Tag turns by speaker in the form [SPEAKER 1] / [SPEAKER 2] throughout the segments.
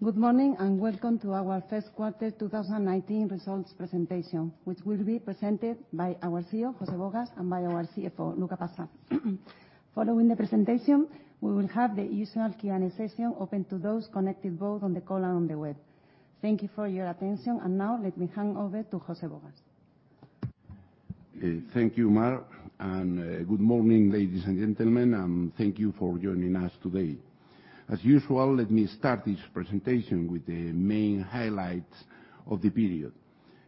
[SPEAKER 1] Good morning and welcome to our first quarter 2019 results presentation, which will be presented by our CEO, José Bogas, and by our CFO, Luca Passa. Following the presentation, we will have the usual Q&A session open to those connected both on the call and on the web. Thank you for your attention, and now let me hand over to José Bogas.
[SPEAKER 2] Thank you, Mar, and good morning, ladies and gentlemen, and thank you for joining us today. As usual, let me start this presentation with the main highlights of the period.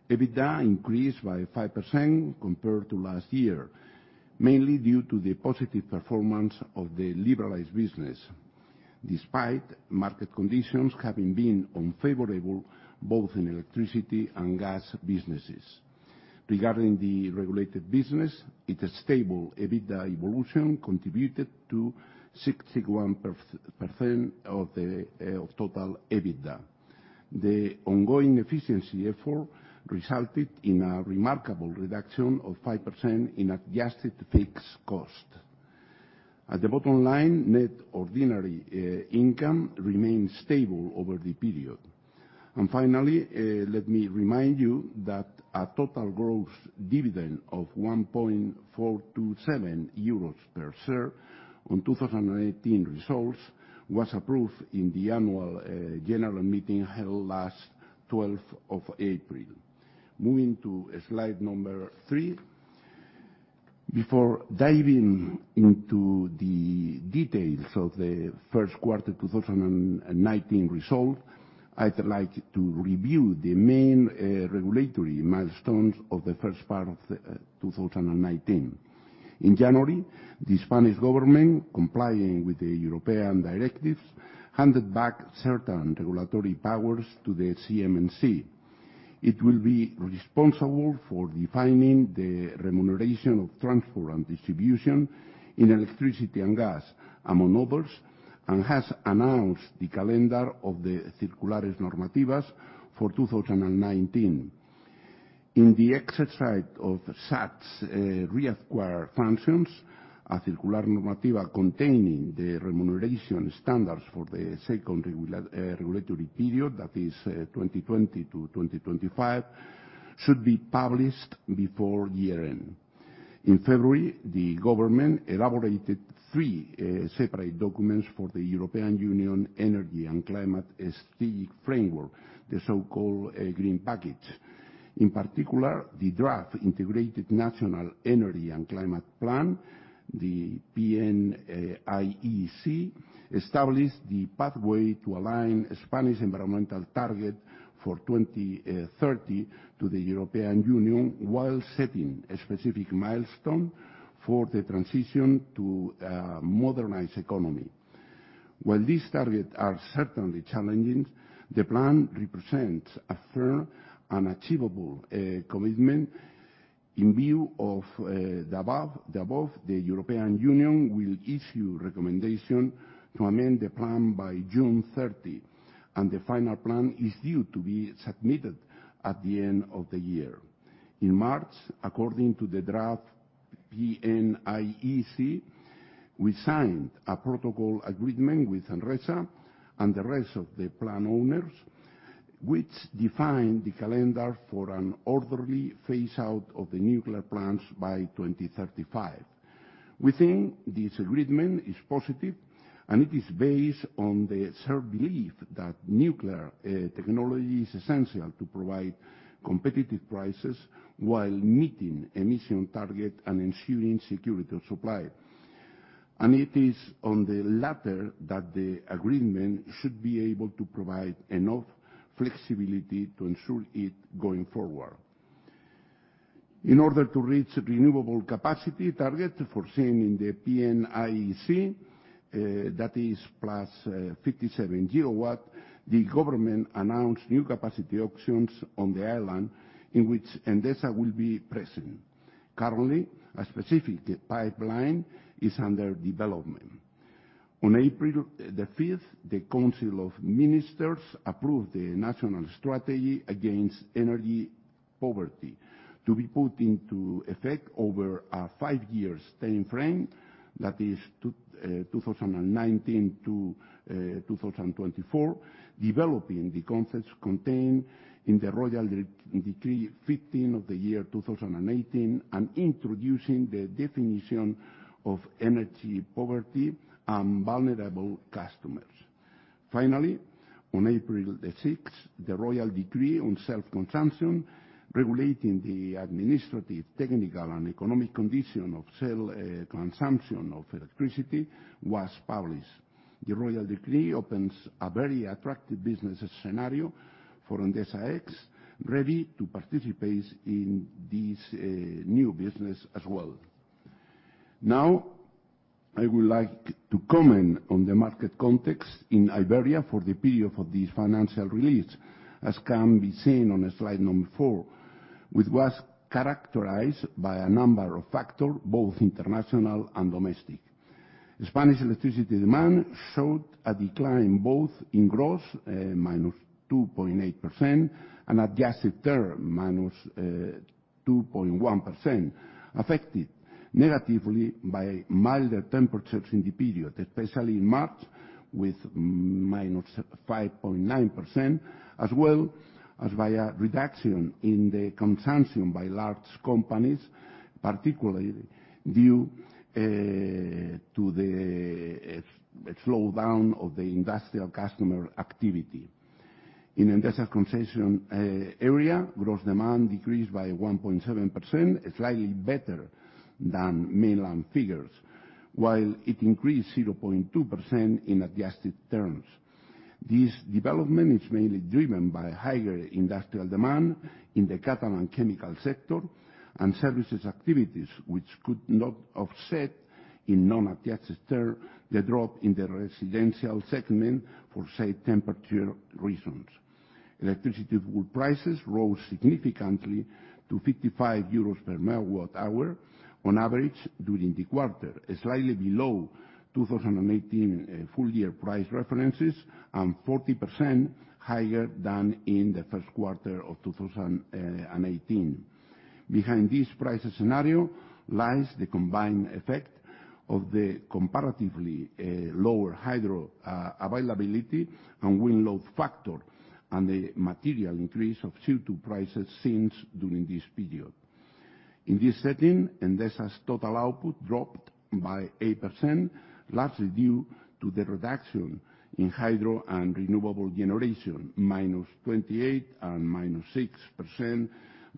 [SPEAKER 2] EBITDA increased by 5% compared to last year, mainly due to the positive performance of the liberalized business, despite market conditions having been unfavorable both in electricity and gas businesses. Regarding the regulated business, its stable EBITDA evolution contributed to 61% of total EBITDA. The ongoing efficiency effort resulted in a remarkable reduction of 5% in adjusted fixed cost. At the bottom line, net ordinary income remained stable over the period. Finally, let me remind you that a total gross dividend of 1.427 euros per share on 2018 results was approved in the annual general meeting held last 12th of April. Moving to slide number three, before diving into the details of the first quarter 2019 result, I'd like to review the main regulatory milestones of the first part of 2019. In January, the Spanish government, complying with the European directives, handed back certain regulatory powers to the CNMC. It will be responsible for defining the remuneration of transmission and distribution in electricity and gas, among others, and has announced the calendar of the circulares normativas for 2019. In the exercise of such required functions, a circular normativa containing the remuneration standards for the second regulatory period, that is, 2020 to 2025, should be published before year-end. In February, the government elaborated three separate documents for the European Union Energy and Climate Strategic Framework, the so-called Green Package. In particular, the draft Integrated National Energy and Climate Plan, the PNIEC, established the pathway to align Spanish environmental targets for 2030 to the European Union while setting a specific milestone for the transition to a modernized economy. While these targets are certainly challenging, the plan represents a firm and achievable commitment. In view of the above, the European Union will issue recommendations to amend the plan by June 30, and the final plan is due to be submitted at the end of the year. In March, according to the draft PNIEC, we signed a protocol agreement with ENRESA and the rest of the plan owners, which defines the calendar for an orderly phase-out of the nuclear plants by 2035. We think this agreement is positive, and it is based on the shared belief that nuclear technology is essential to provide competitive prices while meeting emission targets and ensuring security of supply. And it is on the latter that the agreement should be able to provide enough flexibility to ensure it going forward. In order to reach renewable capacity targets foreseen in the PNIEC, that is, plus 57 gigawatts, the government announced new capacity auctions on the island in which Endesa will be present. Currently, a specific pipeline is under development. On April 5th, the Council of Ministers approved the national strategy against energy poverty to be put into effect over a five-year time frame, that is, 2019 to 2024, developing the concepts contained in the Royal Decree 15 of the year 2018 and introducing the definition of energy poverty and vulnerable customers. Finally, on April 6, the Royal Decree on Self-Consumption, regulating the administrative, technical, and economic condition of self-consumption of electricity, was published. The Royal Decree opens a very attractive business scenario for Endesa X, ready to participate in this new business as well. Now, I would like to comment on the market context in Iberia for the period of this financial release, as can be seen on slide number four, which was characterized by a number of factors, both international and domestic. Spanish electricity demand showed a decline both in gross, -2.8%, and adjusted term, -2.1%, affected negatively by milder temperatures in the period, especially in March, with -5.9%, as well as by a reduction in the consumption by large companies, particularly due to the slowdown of the industrial customer activity. In Endesa's consumption area, gross demand decreased by 1.7%, slightly better than mainland figures, while it increased 0.2% in adjusted terms. This development is mainly driven by higher industrial demand in the Catalan chemical sector and services activities, which could not offset, in non-adjusted terms, the drop in the residential segment for, say, temperature reasons. Electricity pool prices rose significantly to 55 euros per MWh on average during the quarter, slightly below 2018 full-year price references and 40% higher than in the first quarter of 2018. Behind this price scenario lies the combined effect of the comparatively lower hydro availability and wind load factor and the material increase of CO2 prices since during this period. In this setting, Endesa's total output dropped by 8%, largely due to the reduction in hydro and renewable generation, minus 28% and minus 6%,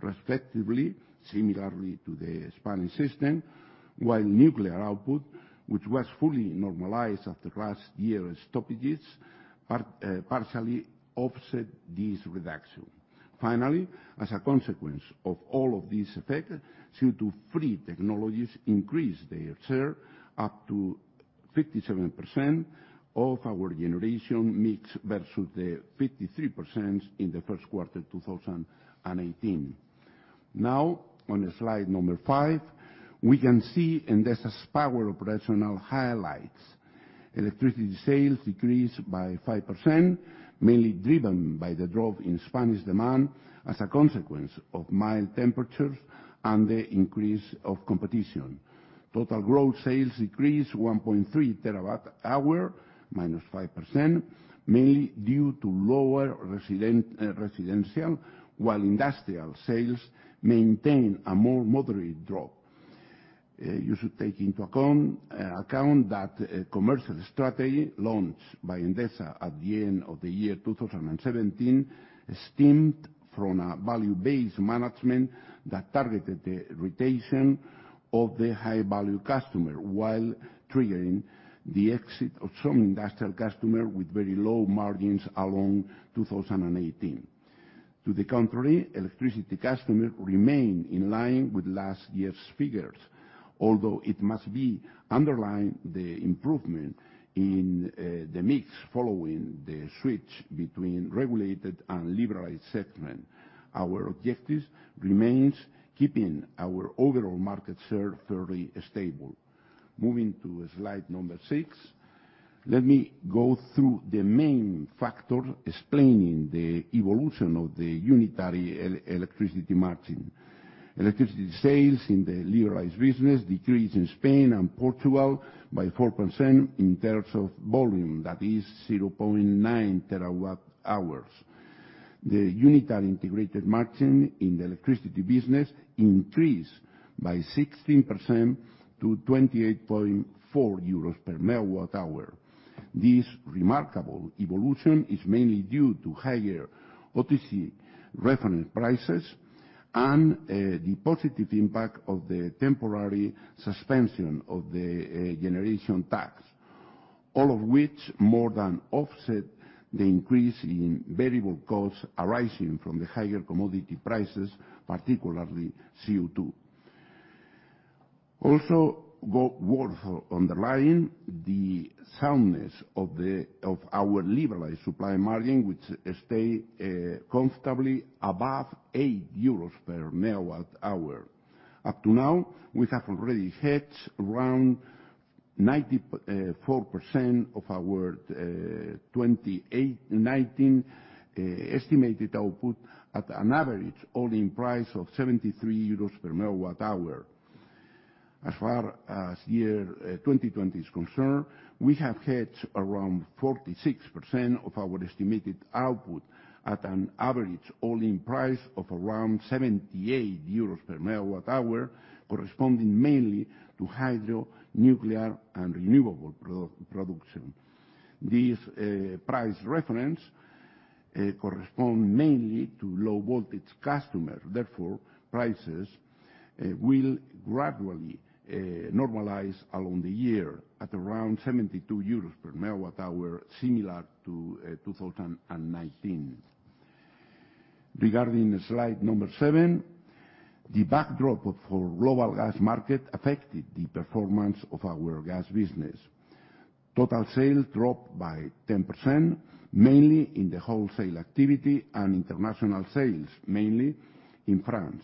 [SPEAKER 2] respectively, similarly to the Spanish system, while nuclear output, which was fully normalized after last year's stoppages, partially offset this reduction. Finally, as a consequence of all of these effects, CO2-free technologies increased their share up to 57% of our generation mix versus the 53% in the first quarter 2018. Now, on slide number five, we can see Endesa's power operational highlights. Electricity sales decreased by 5%, mainly driven by the drop in Spanish demand as a consequence of mild temperatures and the increase of competition. Total gross sales decreased 1.3 terawatt-hour, -5%, mainly due to lower residential, while industrial sales maintained a more moderate drop. You should take into account that commercial strategy launched by Endesa at the end of the year 2017 stemmed from a value-based management that targeted the rotation of the high-value customer, while triggering the exit of some industrial customers with very low margins along 2018. To the contrary, electricity customers remain in line with last year's figures, although it must be underlined the improvement in the mix following the switch between regulated and liberalized segment. Our objective remains keeping our overall market share fairly stable. Moving to slide number six, let me go through the main factors explaining the evolution of the unitary electricity margin. Electricity sales in the liberalized business decreased in Spain and Portugal by 4% in terms of volume, that is, 0.9 terawatt-hours. The unitary integrated margin in the electricity business increased by 16% to 28.4 euros per MWh. This remarkable evolution is mainly due to higher OTC reference prices and the positive impact of the temporary suspension of the generation tax, all of which more than offset the increase in variable costs arising from the higher commodity prices, particularly CO2. Also, worth underlining the soundness of our liberalized supply margin, which stayed comfortably above 8 euros per MWh. Up to now, we have already hedged around 94% of our 2019 estimated output at an average all-in price of 73 euros per MWh. As far as year 2020 is concerned, we have hedged around 46% of our estimated output at an average all-in price of around 78 euros per MWh, corresponding mainly to hydro, nuclear, and renewable production. These price references correspond mainly to low-voltage customers, therefore, prices will gradually normalize along the year at around 72 euros per MWh, similar to 2019. Regarding slide number seven, the backdrop for global gas market affected the performance of our gas business. Total sales dropped by 10%, mainly in the wholesale activity and international sales, mainly in France.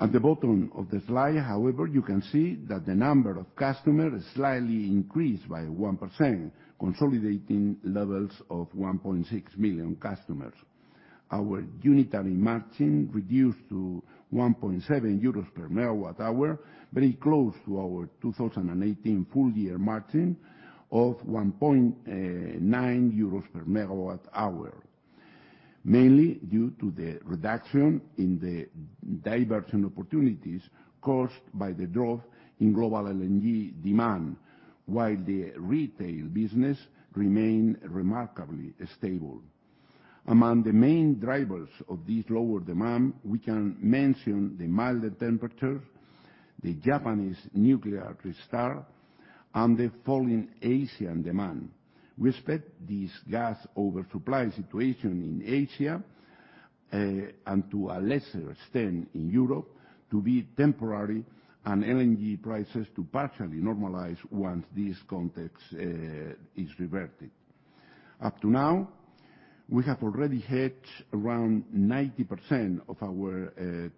[SPEAKER 2] At the bottom of the slide, however, you can see that the number of customers slightly increased by 1%, consolidating levels of 1.6 million customers. Our unitary margin reduced to 1.7 euros per MWh, very close to our 2018 full-year margin of 1.9 euros per MWh, mainly due to the reduction in the diversion opportunities caused by the drop in global LNG demand, while the retail business remained remarkably stable. Among the main drivers of this lower demand, we can mention the milder temperatures, the Japanese nuclear restart, and the falling Asian demand. We expect this gas oversupply situation in Asia and, to a lesser extent in Europe, to be temporary and LNG prices to partially normalize once this context is reverted. Up to now, we have already hedged around 90% of our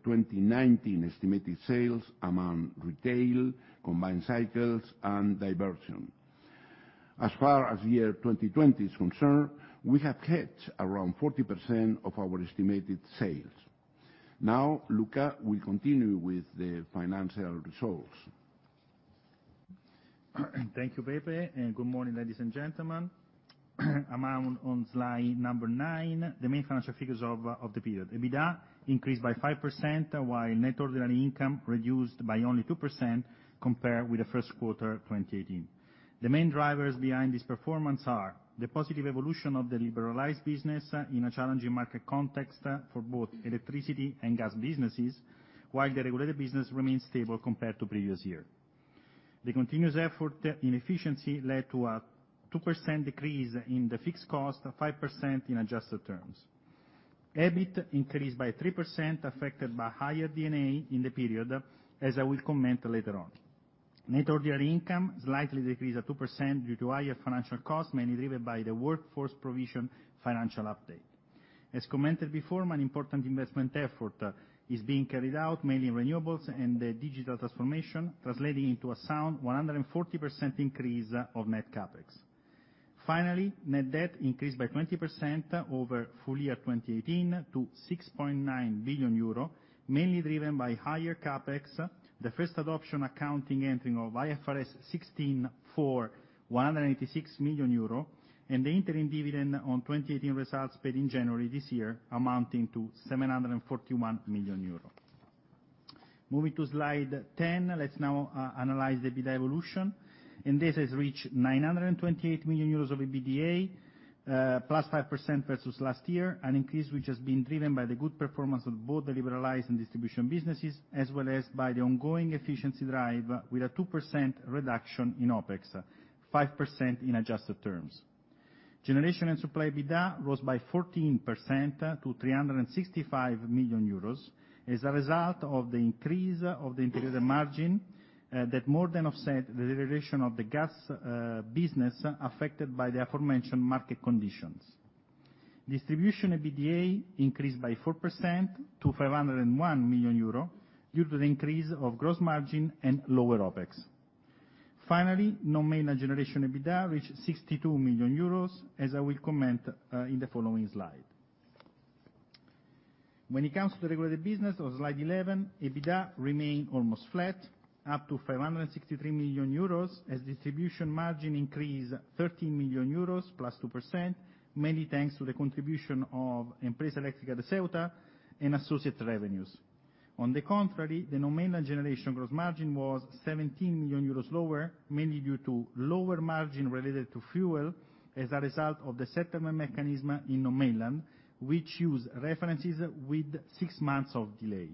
[SPEAKER 2] 2019 estimated sales among retail, combined cycles, and diversion. As far as year 2020 is concerned, we have hedged around 40% of our estimated sales. Now, Luca will continue with the financial results.
[SPEAKER 3] Thank you, Pepe, and good morning, ladies and gentlemen. Moving on to slide number nine, the main financial figures of the period. EBITDA increased by 5%, while net ordinary income reduced by only 2% compared with the first quarter 2018. The main drivers behind this performance are the positive evolution of the liberalized business in a challenging market context for both electricity and gas businesses, while the regulated business remained stable compared to previous year. The continuous effort in efficiency led to a 2% decrease in the fixed cost, 5% in adjusted terms. EBIT increased by 3%, affected by higher D&A in the period, as I will comment later on. Net ordinary income slightly decreased at 2% due to higher financial costs, mainly driven by the workforce provision financial update. As commented before, an important investment effort is being carried out, mainly in renewables and the digital transformation, translating into a sound 140% increase of net CapEx. Finally, net debt increased by 20% over full-year 2018 to 6.9 billion euro, mainly driven by higher CapEx, the first adoption accounting entry of IFRS 16 for 186 million euro, and the interim dividend on 2018 results paid in January this year, amounting to 741 million euro. Moving to slide 10, let's now analyze the EBITDA evolution. Endesa has reached 928 million euros of EBITDA, +5% versus last year, an increase which has been driven by the good performance of both the liberalized and distribution businesses, as well as by the ongoing efficiency drive with a 2% reduction in OpEx, 5% in adjusted terms. Generation and supply EBITDA rose by 14% to 365 million euros as a result of the increase of the integrated margin that more than offset the degradation of the gas business affected by the aforementioned market conditions. Distribution EBITDA increased by 4% to 501 million euro due to the increase of gross margin and lower OpEx. Finally, nominal generation EBITDA reached 62 million euros, as I will comment in the following slide. When it comes to the regulated business, on slide 11, EBITDA remained almost flat, up to 563 million euros as distribution margin increased 13 million euros, +2%, mainly thanks to the contribution of Empresa Eléctrica de Ceuta and associated revenues. On the contrary, the nominal generation gross margin was 17 million euros lower, mainly due to lower margin related to fuel as a result of the settlement mechanism in nominal, which used references with six months of delay.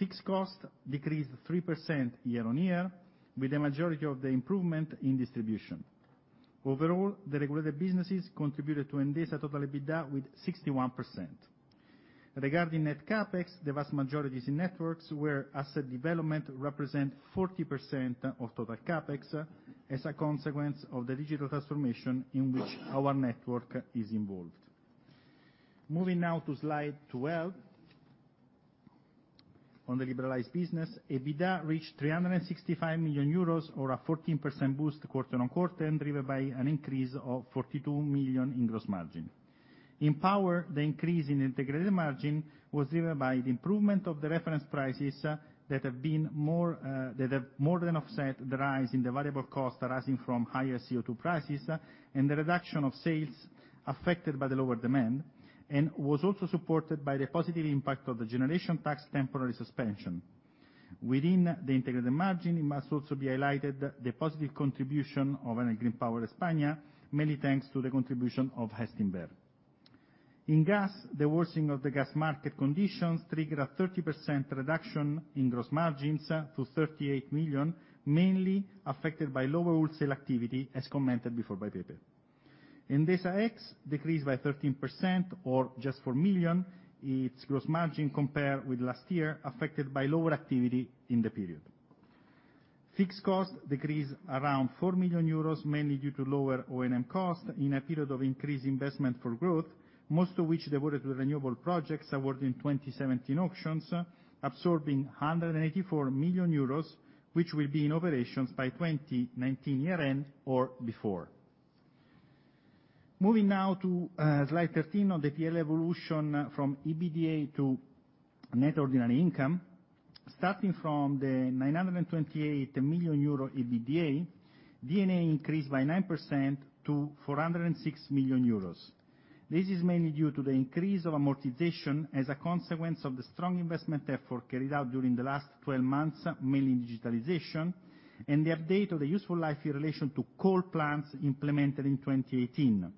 [SPEAKER 3] Fixed costs decreased 3% year-on-year, with the majority of the improvement in distribution. Overall, the regulated businesses contributed to Endesa total EBITDA with 61%. Regarding net CapEx, the vast majority is in networks, where asset development represents 40% of total CapEx as a consequence of the digital transformation in which our network is involved. Moving now to slide 12, on the liberalized business, EBITDA reached 365 million euros, or a 14% boost quarter on quarter, driven by an increase of 42 million in gross margin. In power, the increase in the integrated margin was driven by the improvement of the reference prices that have been more than offset the rise in the variable costs arising from higher CO2 prices and the reduction of sales affected by the lower demand, and was also supported by the positive impact of the generation tax temporary suspension. Within the integrated margin, it must also be highlighted the positive contribution of Enel Green Power España, mainly thanks to the contribution of Gestinver. In gas, the worsening of the gas market conditions triggered a 30% reduction in gross margins to 38 million, mainly affected by lower wholesale activity, as commented before by Pepe. ENDESA X decreased by 13%, or just 4 million, its gross margin compared with last year, affected by lower activity in the period. Fixed costs decreased around 4 million euros, mainly due to lower O&M costs in a period of increased investment for growth, most of which devoted to renewable projects awarded in 2017 auctions, absorbing 184 million euros, which will be in operations by 2019 year-end or before. Moving now to slide 13 on the PL evolution from EBITDA to net ordinary income. Starting from the 928 million euro EBITDA, D&A increased by 9% to 406 million euros. This is mainly due to the increase of amortization as a consequence of the strong investment effort carried out during the last 12 months, mainly in digitalization, and the update of the useful life in relation to coal plants implemented in 2018.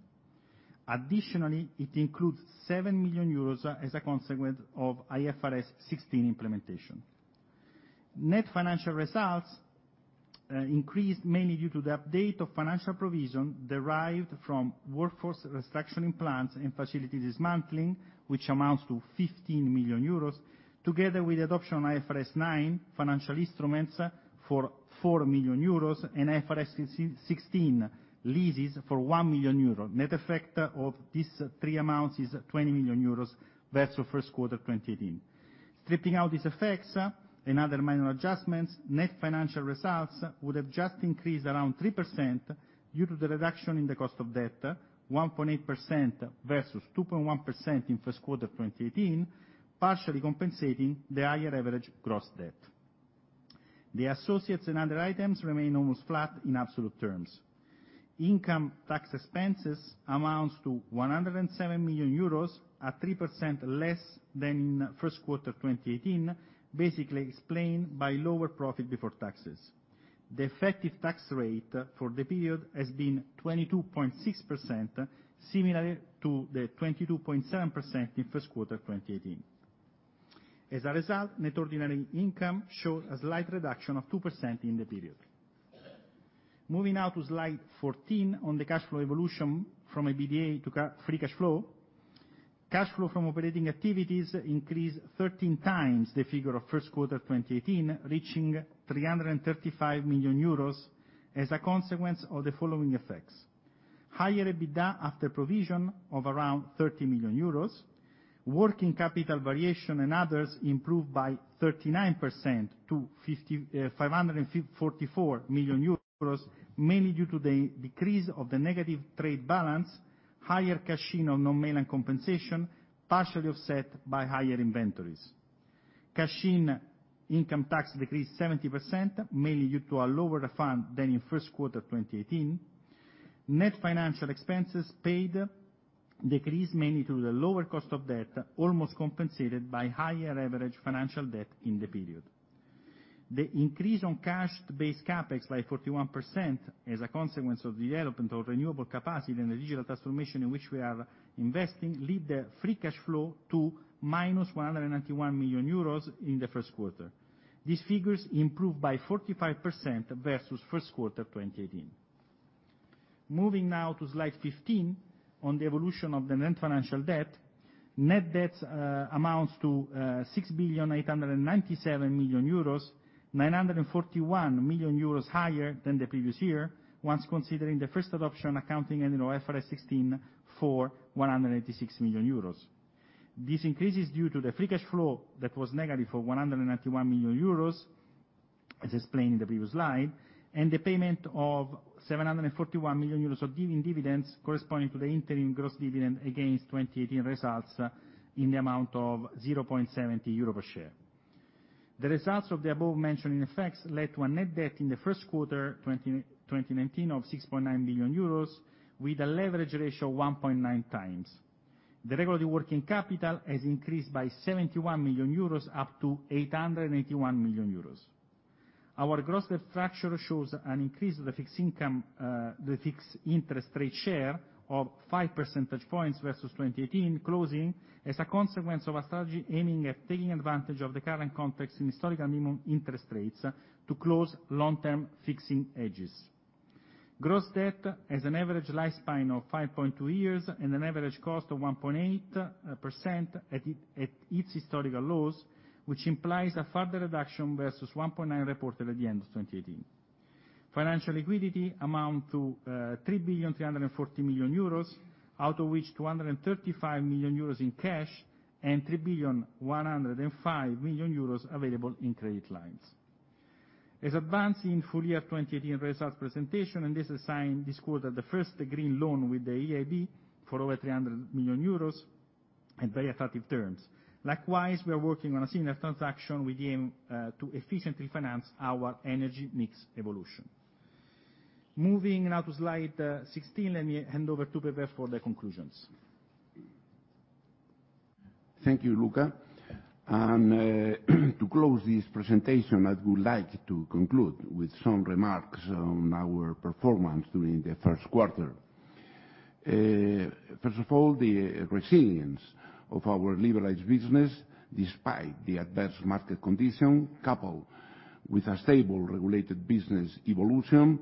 [SPEAKER 3] Additionally, it includes 7 million euros as a consequence of IFRS 16 implementation. Net financial results increased mainly due to the update of financial provision derived from workforce restructuring plans and facility dismantling, which amounts to 15 million euros, together with the adoption of IFRS 9 financial instruments for 4 million euros and IFRS 16 leases for 1 million euros. Net effect of these three amounts is 20 million euros versus first quarter 2018. Stripping out these effects and other minor adjustments, net financial results would have just increased around 3% due to the reduction in the cost of debt, 1.8% versus 2.1% in first quarter 2018, partially compensating the higher average gross debt. The associates and other items remain almost flat in absolute terms. Income tax expenses amount to 107 million euros, at 3% less than in first quarter 2018, basically explained by lower profit before taxes. The effective tax rate for the period has been 22.6%, similar to the 22.7% in first quarter 2018. As a result, net ordinary income showed a slight reduction of 2% in the period. Moving now to slide 14 on the cash flow evolution from EBITDA to free cash flow. Cash flow from operating activities increased 13 times the figure of first quarter 2018, reaching 335 million euros as a consequence of the following effects: higher EBITDA after provision of around 30 million euros, working capital variation and others improved by 39% to 544 million euros, mainly due to the decrease of the negative trade balance, higher cash in on nominal compensation, partially offset by higher inventories. Cash in income tax decreased 70%, mainly due to a lower refund than in first quarter 2018. Net financial expenses paid decreased mainly through the lower cost of debt, almost compensated by higher average financial debt in the period. The increase on cash-based CapEx by 41% as a consequence of the development of renewable capacity and the digital transformation in which we are investing led the free cash flow to 191 million euros in the first quarter. These figures improved by 45% versus first quarter 2018. Moving now to slide 15 on the evolution of the net financial debt. Net debts amount to 6,897 million euros, 941 million euros higher than the previous year, once considering the first adoption accounting entry of IFRS 16 for 186 million euros. This increase is due to the free cash flow that was negative for 191 million euros, as explained in the previous slide, and the payment of 741 million euros in dividends corresponding to the interim gross dividend against 2018 results in the amount of 0.70 euro per share. The results of the above-mentioned effects led to a net debt in the first quarter 2019 of 6.9 million euros, with a leverage ratio of 1.9 times. The net working capital has increased by 71 million euros, up to 881 million euros. Our gross debt structure shows an increase of the fixed interest rate share of 5 percentage points versus 2018, closing as a consequence of a strategy aiming at taking advantage of the current context in historical minimum interest rates to close long-term fixed-rate hedges. Gross debt has an average lifespan of 5.2 years and an average cost of 1.8% at its historical lows, which implies a further reduction versus 1.9 reported at the end of 2018. Financial liquidity amounts to 3,340 million euros, out of which 235 million euros in cash and 3,105 million euros available in credit lines. As announced in full-year 2018 results presentation, Endesa signed this quarter the first Green Loan with the EIB for over 300 million euros at very attractive terms. Likewise, we are working on a similar transaction with the aim to efficiently finance our energy mix evolution. Moving now to slide 16, let me hand over to Pepe for the conclusions.
[SPEAKER 2] Thank you, Luca. And to close this presentation, I would like to conclude with some remarks on our performance during the first quarter. First of all, the resilience of our liberalized business, despite the adverse market condition, coupled with a stable regulated business evolution,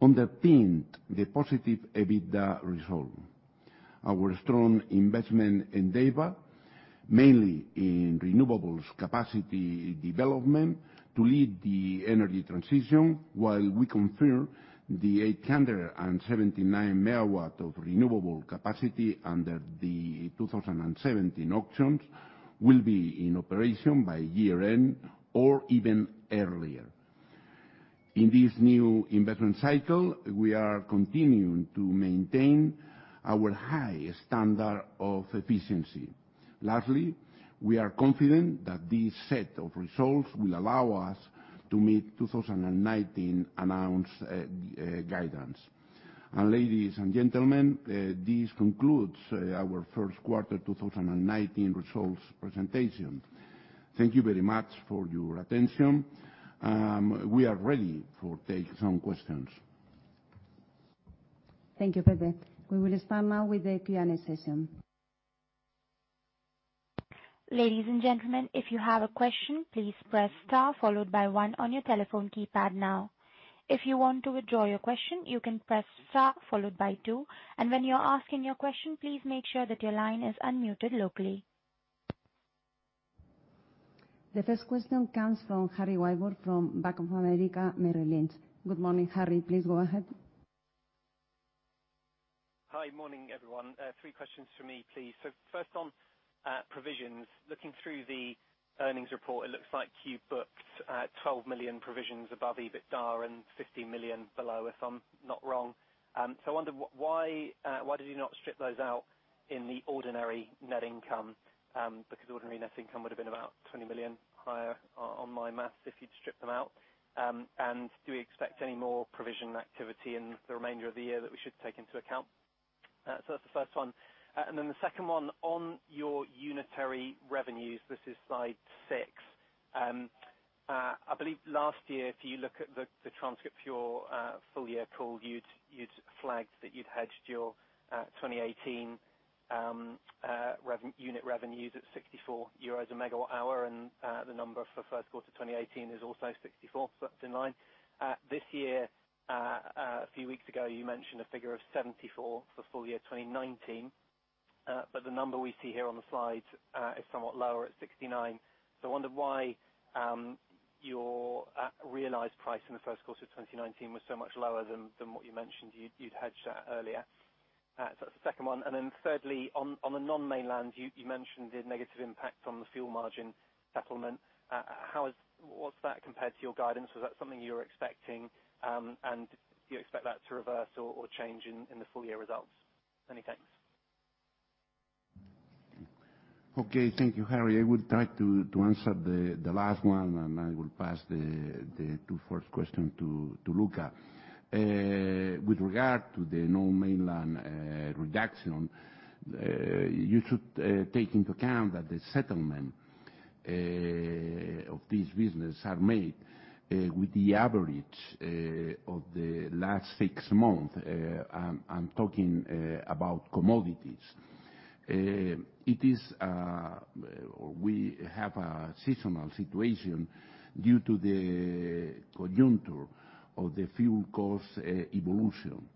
[SPEAKER 2] underpinned the positive EBITDA result. Our strong investment in CapEx, mainly in renewables capacity development, led the energy transition, while we confirmed the 879 MW of renewable capacity under the 2017 auctions will be in operation by year-end or even earlier. In this new investment cycle, we are continuing to maintain our high standard of efficiency. Lastly, we are confident that this set of results will allow us to meet 2019 announced guidance. Ladies and gentlemen, this concludes our first quarter 2019 results presentation. Thank you very much for your attention. We are ready for taking some questions.
[SPEAKER 1] Thank you, Pepe. We will start now with the Q&A session. Ladies and gentlemen, if you have a question, please press star followed by one on your telephone keypad now. If you want to withdraw your question, you can press star followed by two. When you're asking your question, please make sure that your line is unmuted locally. The first question comes from Harry Wyburd from Bank of America Merrill Lynch. Good morning, Harry. Please go ahead.
[SPEAKER 4] Hi, morning everyone. Three questions for me, please. First on provisions, looking through the earnings report, it looks like you booked 12 million provisions above EBITDA and 15 million below, if I'm not wrong. I wonder, why did you not strip those out in the ordinary net income? Because ordinary net income would have been about 20 million higher on my math if you'd stripped them out. Do we expect any more provision activity in the remainder of the year that we should take into account? That's the first one. Then the second one on your unitary revenues, this is slide six. I believe last year, if you look at the transcript for your full-year call, you'd flagged that you'd hedged your 2018 unit revenues at 64 euros MWh, and the number for first quarter 2018 is also 64, so that's in line. This year, a few weeks ago, you mentioned a figure of 74 for full-year 2019, but the number we see here on the slide is somewhat lower at 69, so I wonder why your realized price in the first quarter of 2019 was so much lower than what you mentioned you'd hedged earlier, so that's the second one, and then thirdly, on the non-mainlands, you mentioned the negative impact on the fuel margin settlement. What's that compared to your guidance? Was that something you were expecting, and do you expect that to reverse or change in the full-year results? Any thanks?
[SPEAKER 2] Okay, thank you, Harry. I will try to answer the last one, and I will pass the two first questions to Luca. With regard to the non-mainland reduction, you should take into account that the settlement of these businesses is made with the average of the last six months. I'm talking about commodities. It is, or we have a seasonal situation due to the conjuncture of the fuel cost evolution.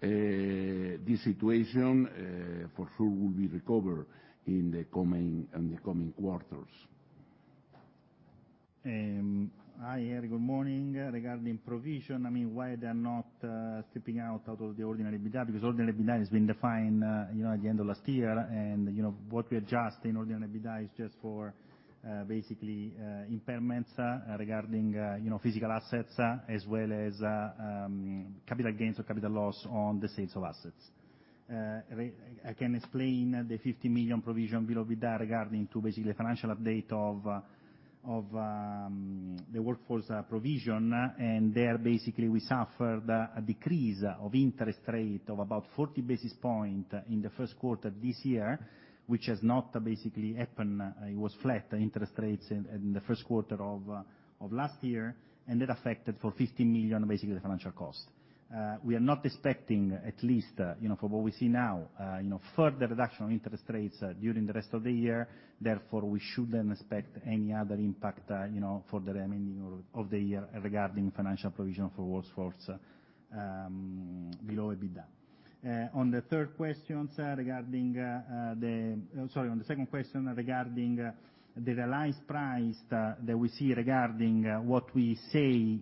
[SPEAKER 2] This situation, for sure, will be recovered in the coming quarters.
[SPEAKER 3] Hi, Enrico. Good morning. Regarding provision, I mean, why they are not stripping out of the ordinary EBITDA? Because ordinary EBITDA has been defined at the end of last year, and what we adjust in ordinary EBITDA is just for basically impairments regarding physical assets as well as capital gains or capital loss on the sales of assets. I can explain the 50 million provision below EBITDA regarding to basically the financial update of the workforce provision, and there basically we suffered a decrease of interest rate of about 40 basis points in the first quarter this year, which has not basically happened. It was flat interest rates in the first quarter of last year, and that affected for 15 million basically the financial cost. We are not expecting, at least for what we see now, further reduction of interest rates during the rest of the year. Therefore, we shouldn't expect any other impact for the remainder of the year regarding financial provision for workforce below EBITDA. On the third question regarding the, sorry, on the second question regarding the realized price that we see regarding what we say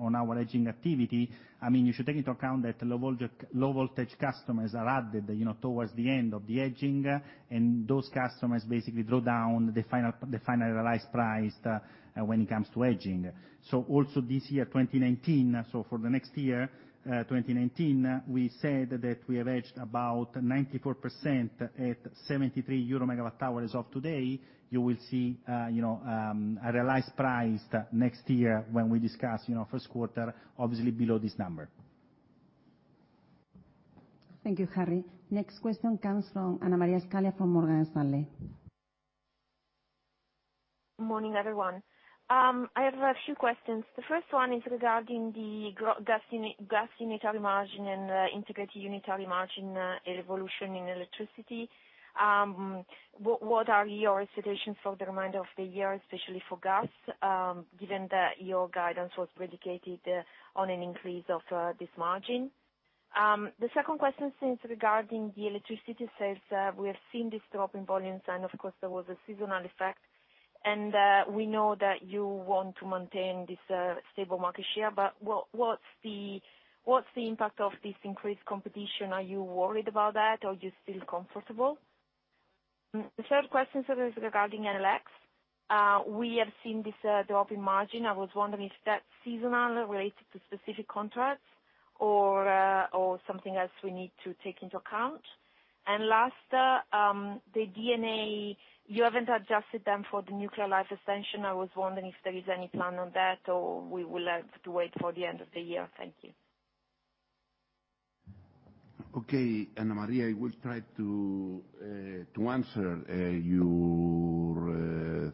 [SPEAKER 3] on our hedging activity, I mean, you should take into account that low-voltage customers are added towards the end of the hedging, and those customers basically draw down the final realized price when it comes to hedging. So also this year, 2019, so for the next year, 2019, we said that we have hedged about 94% at 73 euro MW hours as of today. You will see a realized price next year when we discuss first quarter, obviously below this number.
[SPEAKER 1] Thank you, Harry. Next question comes from Anna Maria Scaglia, from Morgan Stanley.
[SPEAKER 5] Good morning, everyone. I have a few questions. The first one is regarding the gas unitary margin and integrated unitary margin evolution in electricity. What are your expectations for the remainder of the year, especially for gas, given that your guidance was predicated on an increase of this margin? The second question is regarding the electricity sales. We have seen this drop in volumes, and of course, there was a seasonal effect, and we know that you want to maintain this stable market share. But what's the impact of this increased competition? Are you worried about that, or are you still comfortable? The third question is regarding NLX. We have seen this drop in margin. I was wondering if that's seasonal related to specific contracts or something else we need to take into account. And last, the D&A, you haven't adjusted them for the nuclear life extension. I was wondering if there is any plan on that, or we will have to wait for the end of the year. Thank you.
[SPEAKER 2] Okay, Ana María, I will try to answer your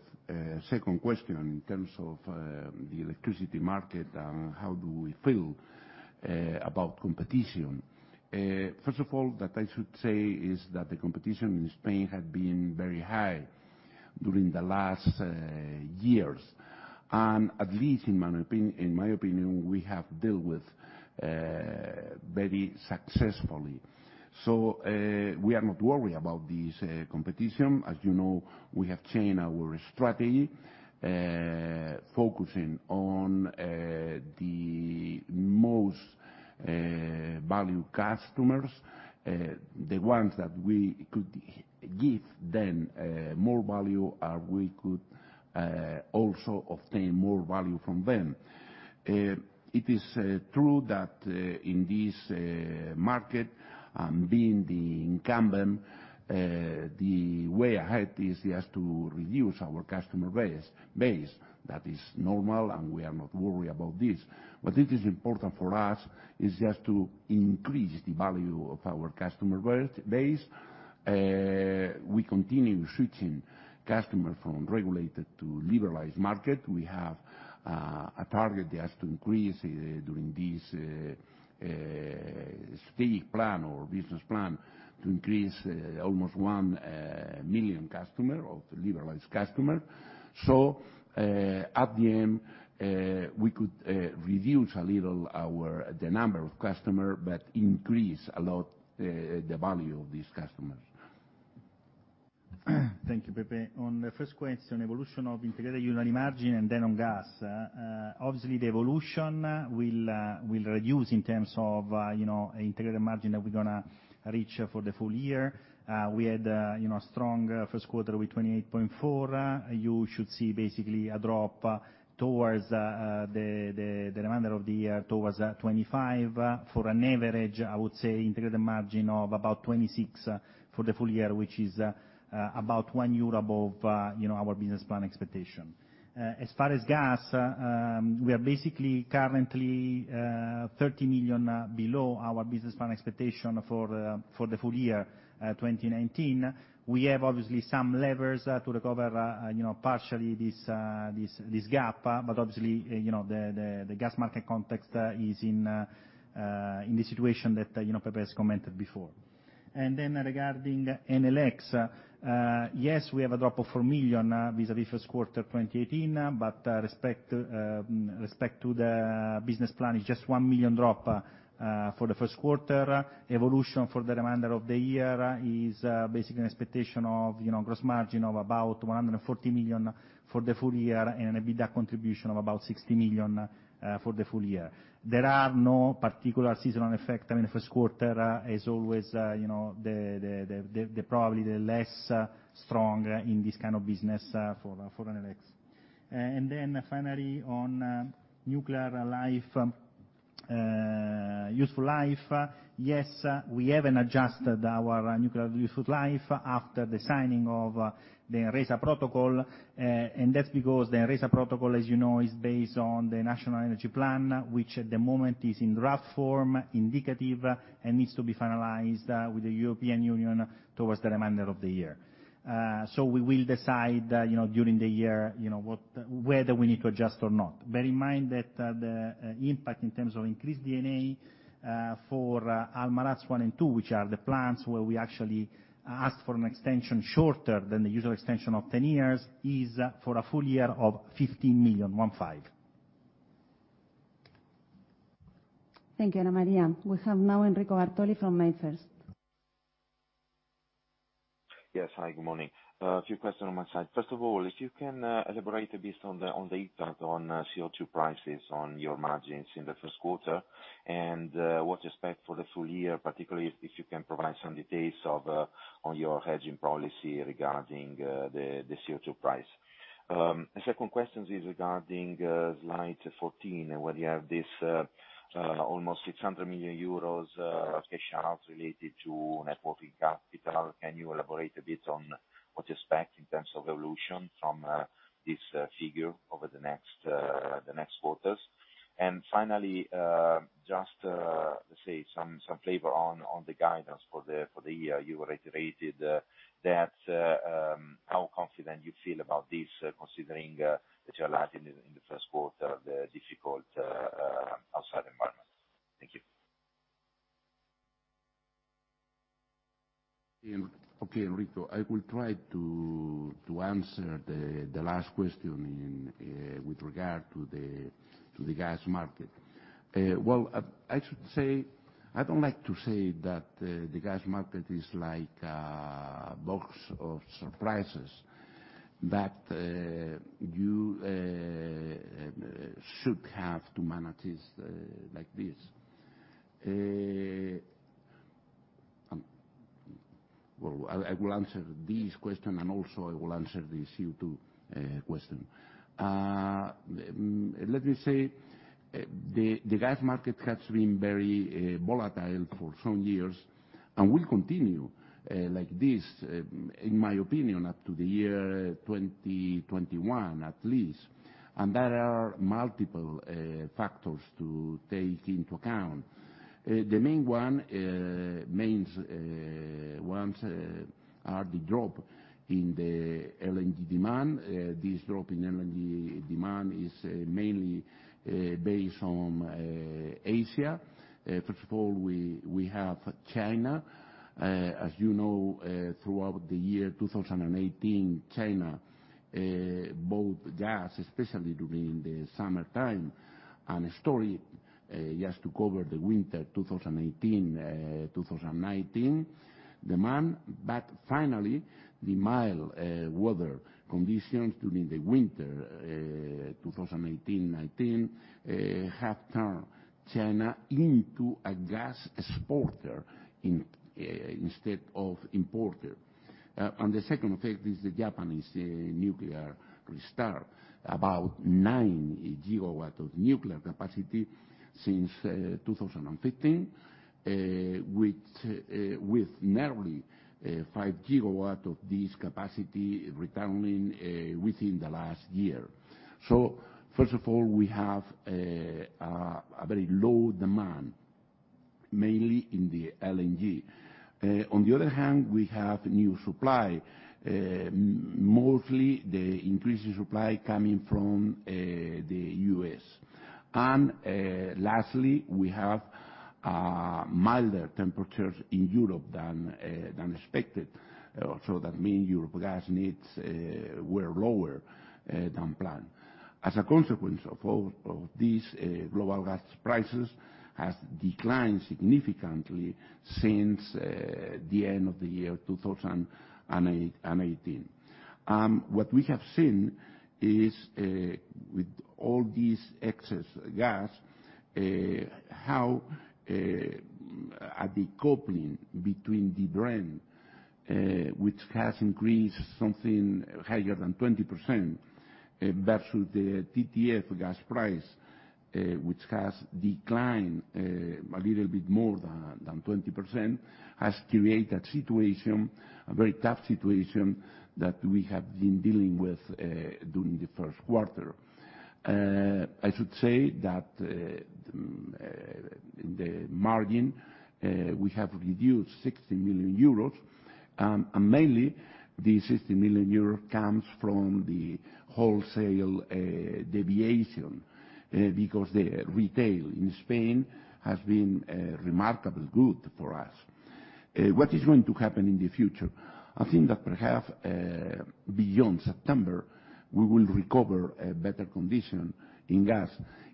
[SPEAKER 2] second question in terms of the electricity market and how do we feel about competition. First of all, that I should say is that the competition in Spain had been very high during the last years, and at least in my opinion, we have dealt with very successfully. So we are not worried about this competition. As you know, we have changed our strategy, focusing on the most valued customers, the ones that we could give them more value, or we could also obtain more value from them. It is true that in this market, being the incumbent, the way ahead is just to reduce our customer base. That is normal, and we are not worried about this. What it is important for us is just to increase the value of our customer base. We continue switching customers from regulated to liberalized market. We have a target just to increase during this strategic plan or business plan to increase almost one million customers of liberalized customers. So at the end, we could reduce a little the number of customers but increase a lot the value of these customers.
[SPEAKER 3] Thank you, Pepe. On the first question, evolution of integrated unitary margin and then on gas, obviously the evolution will reduce in terms of integrated margin that we're going to reach for the full year. We had a strong first quarter with 28.4. You should see basically a drop towards the remainder of the year towards 25 for an average, I would say, integrated margin of about 26 for the full year, which is about one year above our business plan expectation. As far as gas, we are basically currently 30 million below our business plan expectation for the full year, 2019. We have obviously some levers to recover partially this gap, but obviously the gas market context is in the situation that Pepe has commented before. And then, regarding NLX, yes, we have a drop of 4 million vis-à-vis first quarter 2018, but with respect to the business plan, it's just one million drop for the first quarter. Evolution for the remainder of the year is basically an expectation of gross margin of about 140 million for the full year and an EBITDA contribution of about 60 million for the full year. There are no particular seasonal effects. I mean, the first quarter is always probably the less strong in this kind of business for NLX. Then finally, on nuclear useful life, yes, we haven't adjusted our nuclear useful life after the signing of the ENRESA protocol, and that's because the ENRESA protocol, as you know, is based on the national energy plan, which at the moment is in draft form, indicative, and needs to be finalized with the European Union towards the remainder of the year. So we will decide during the year whether we need to adjust or not. Bear in mind that the impact in terms of increased D&A for Almaraz I and II, which are the plants where we actually asked for an extension shorter than the usual extension of 10 years, is for a full year of 15 million.
[SPEAKER 1] Thank you, Ana María. We have now Enrico Bartoli from MainFirst.
[SPEAKER 6] Yes, hi, good morning. A few questions on my side. First of all, if you can elaborate a bit on the impact of CO2 prices on your margins in the first quarter and what to expect for the full year, particularly if you can provide some details on your hedging policy regarding the CO2 price? The second question is regarding slide 14, where you have this almost 600 million euros cash-out related to net working capital. Can you elaborate a bit on what to expect in terms of evolution from this figure over the next quarters? And finally, just, let's say, some flavor on the guidance for the year. You already stated that. How confident you feel about this, considering that you're lagging in the first quarter, the difficult outside environment? Thank you.
[SPEAKER 2] Okay, Enrico. I will try to answer the last question with regard to the gas market. I should say, I don't like to say that the gas market is like a box of surprises that you should have to manage like this. I will answer this question, and also I will answer the CO2 question. Let me say, the gas market has been very volatile for some years and will continue like this, in my opinion, up to the year 2021 at least, and there are multiple factors to take into account. The main ones are the drop in the LNG demand. This drop in LNG demand is mainly based on Asia. First of all, we have China. As you know, throughout the year 2018, China, both gas, especially during the summertime, and storage just to cover the winter 2018-2019 demand. But finally, the mild weather conditions during the winter 2018-19 have turned China into a gas exporter instead of importer. The second effect is the Japanese nuclear restart, about nine gigawatts of nuclear capacity since 2015, with nearly five gigawatts of this capacity returning within the last year. First of all, we have a very low demand, mainly in the LNG. On the other hand, we have new supply, mostly the increasing supply coming from the U.S. Lastly, we have milder temperatures in Europe than expected. That means your gas needs were lower than planned. As a consequence of all of this, global gas prices have declined significantly since the end of the year 2018. What we have seen is, with all these excess gas, how the coupling between the Brent, which has increased something higher than 20% versus the TTF gas price, which has declined a little bit more than 20%, has created a situation, a very tough situation that we have been dealing with during the first quarter. I should say that in the margin, we have reduced 60 million euros, and mainly the 60 million euros comes from the wholesale division because the retail in Spain has been remarkably good for us. What is going to happen in the future? I think that perhaps beyond September, we will recover a better condition in gas.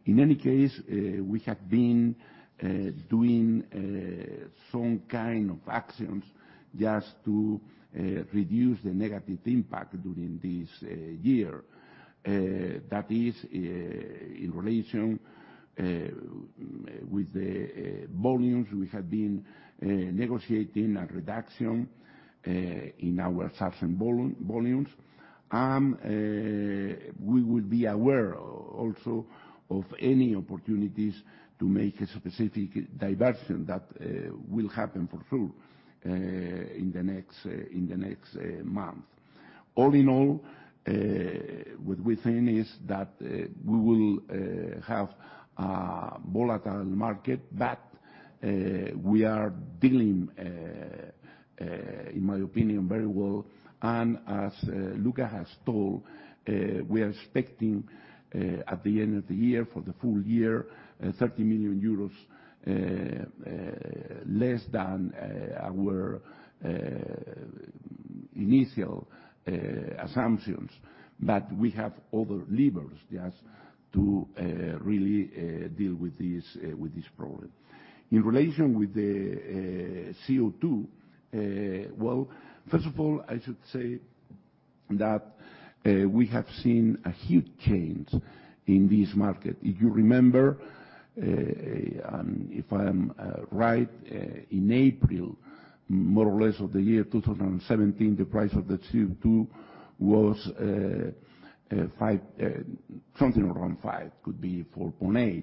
[SPEAKER 2] In any case, we have been doing some kind of actions just to reduce the negative impact during this year. That is in relation with the volumes we have been negotiating a reduction in our subsidy volumes, and we will be aware also of any opportunities to make a specific diversion that will happen for sure in the next month. All in all, what we think is that we will have a volatile market, but we are dealing, in my opinion, very well. And as Luca has told, we are expecting at the end of the year, for the full year, 30 million euros less than our initial assumptions. But we have other levers just to really deal with this problem. In relation with the CO2, well, first of all, I should say that we have seen a huge change in this market. If you remember, and if I'm right, in April, more or less of the year 2017, the price of the CO2 was something around five, could be 4.8.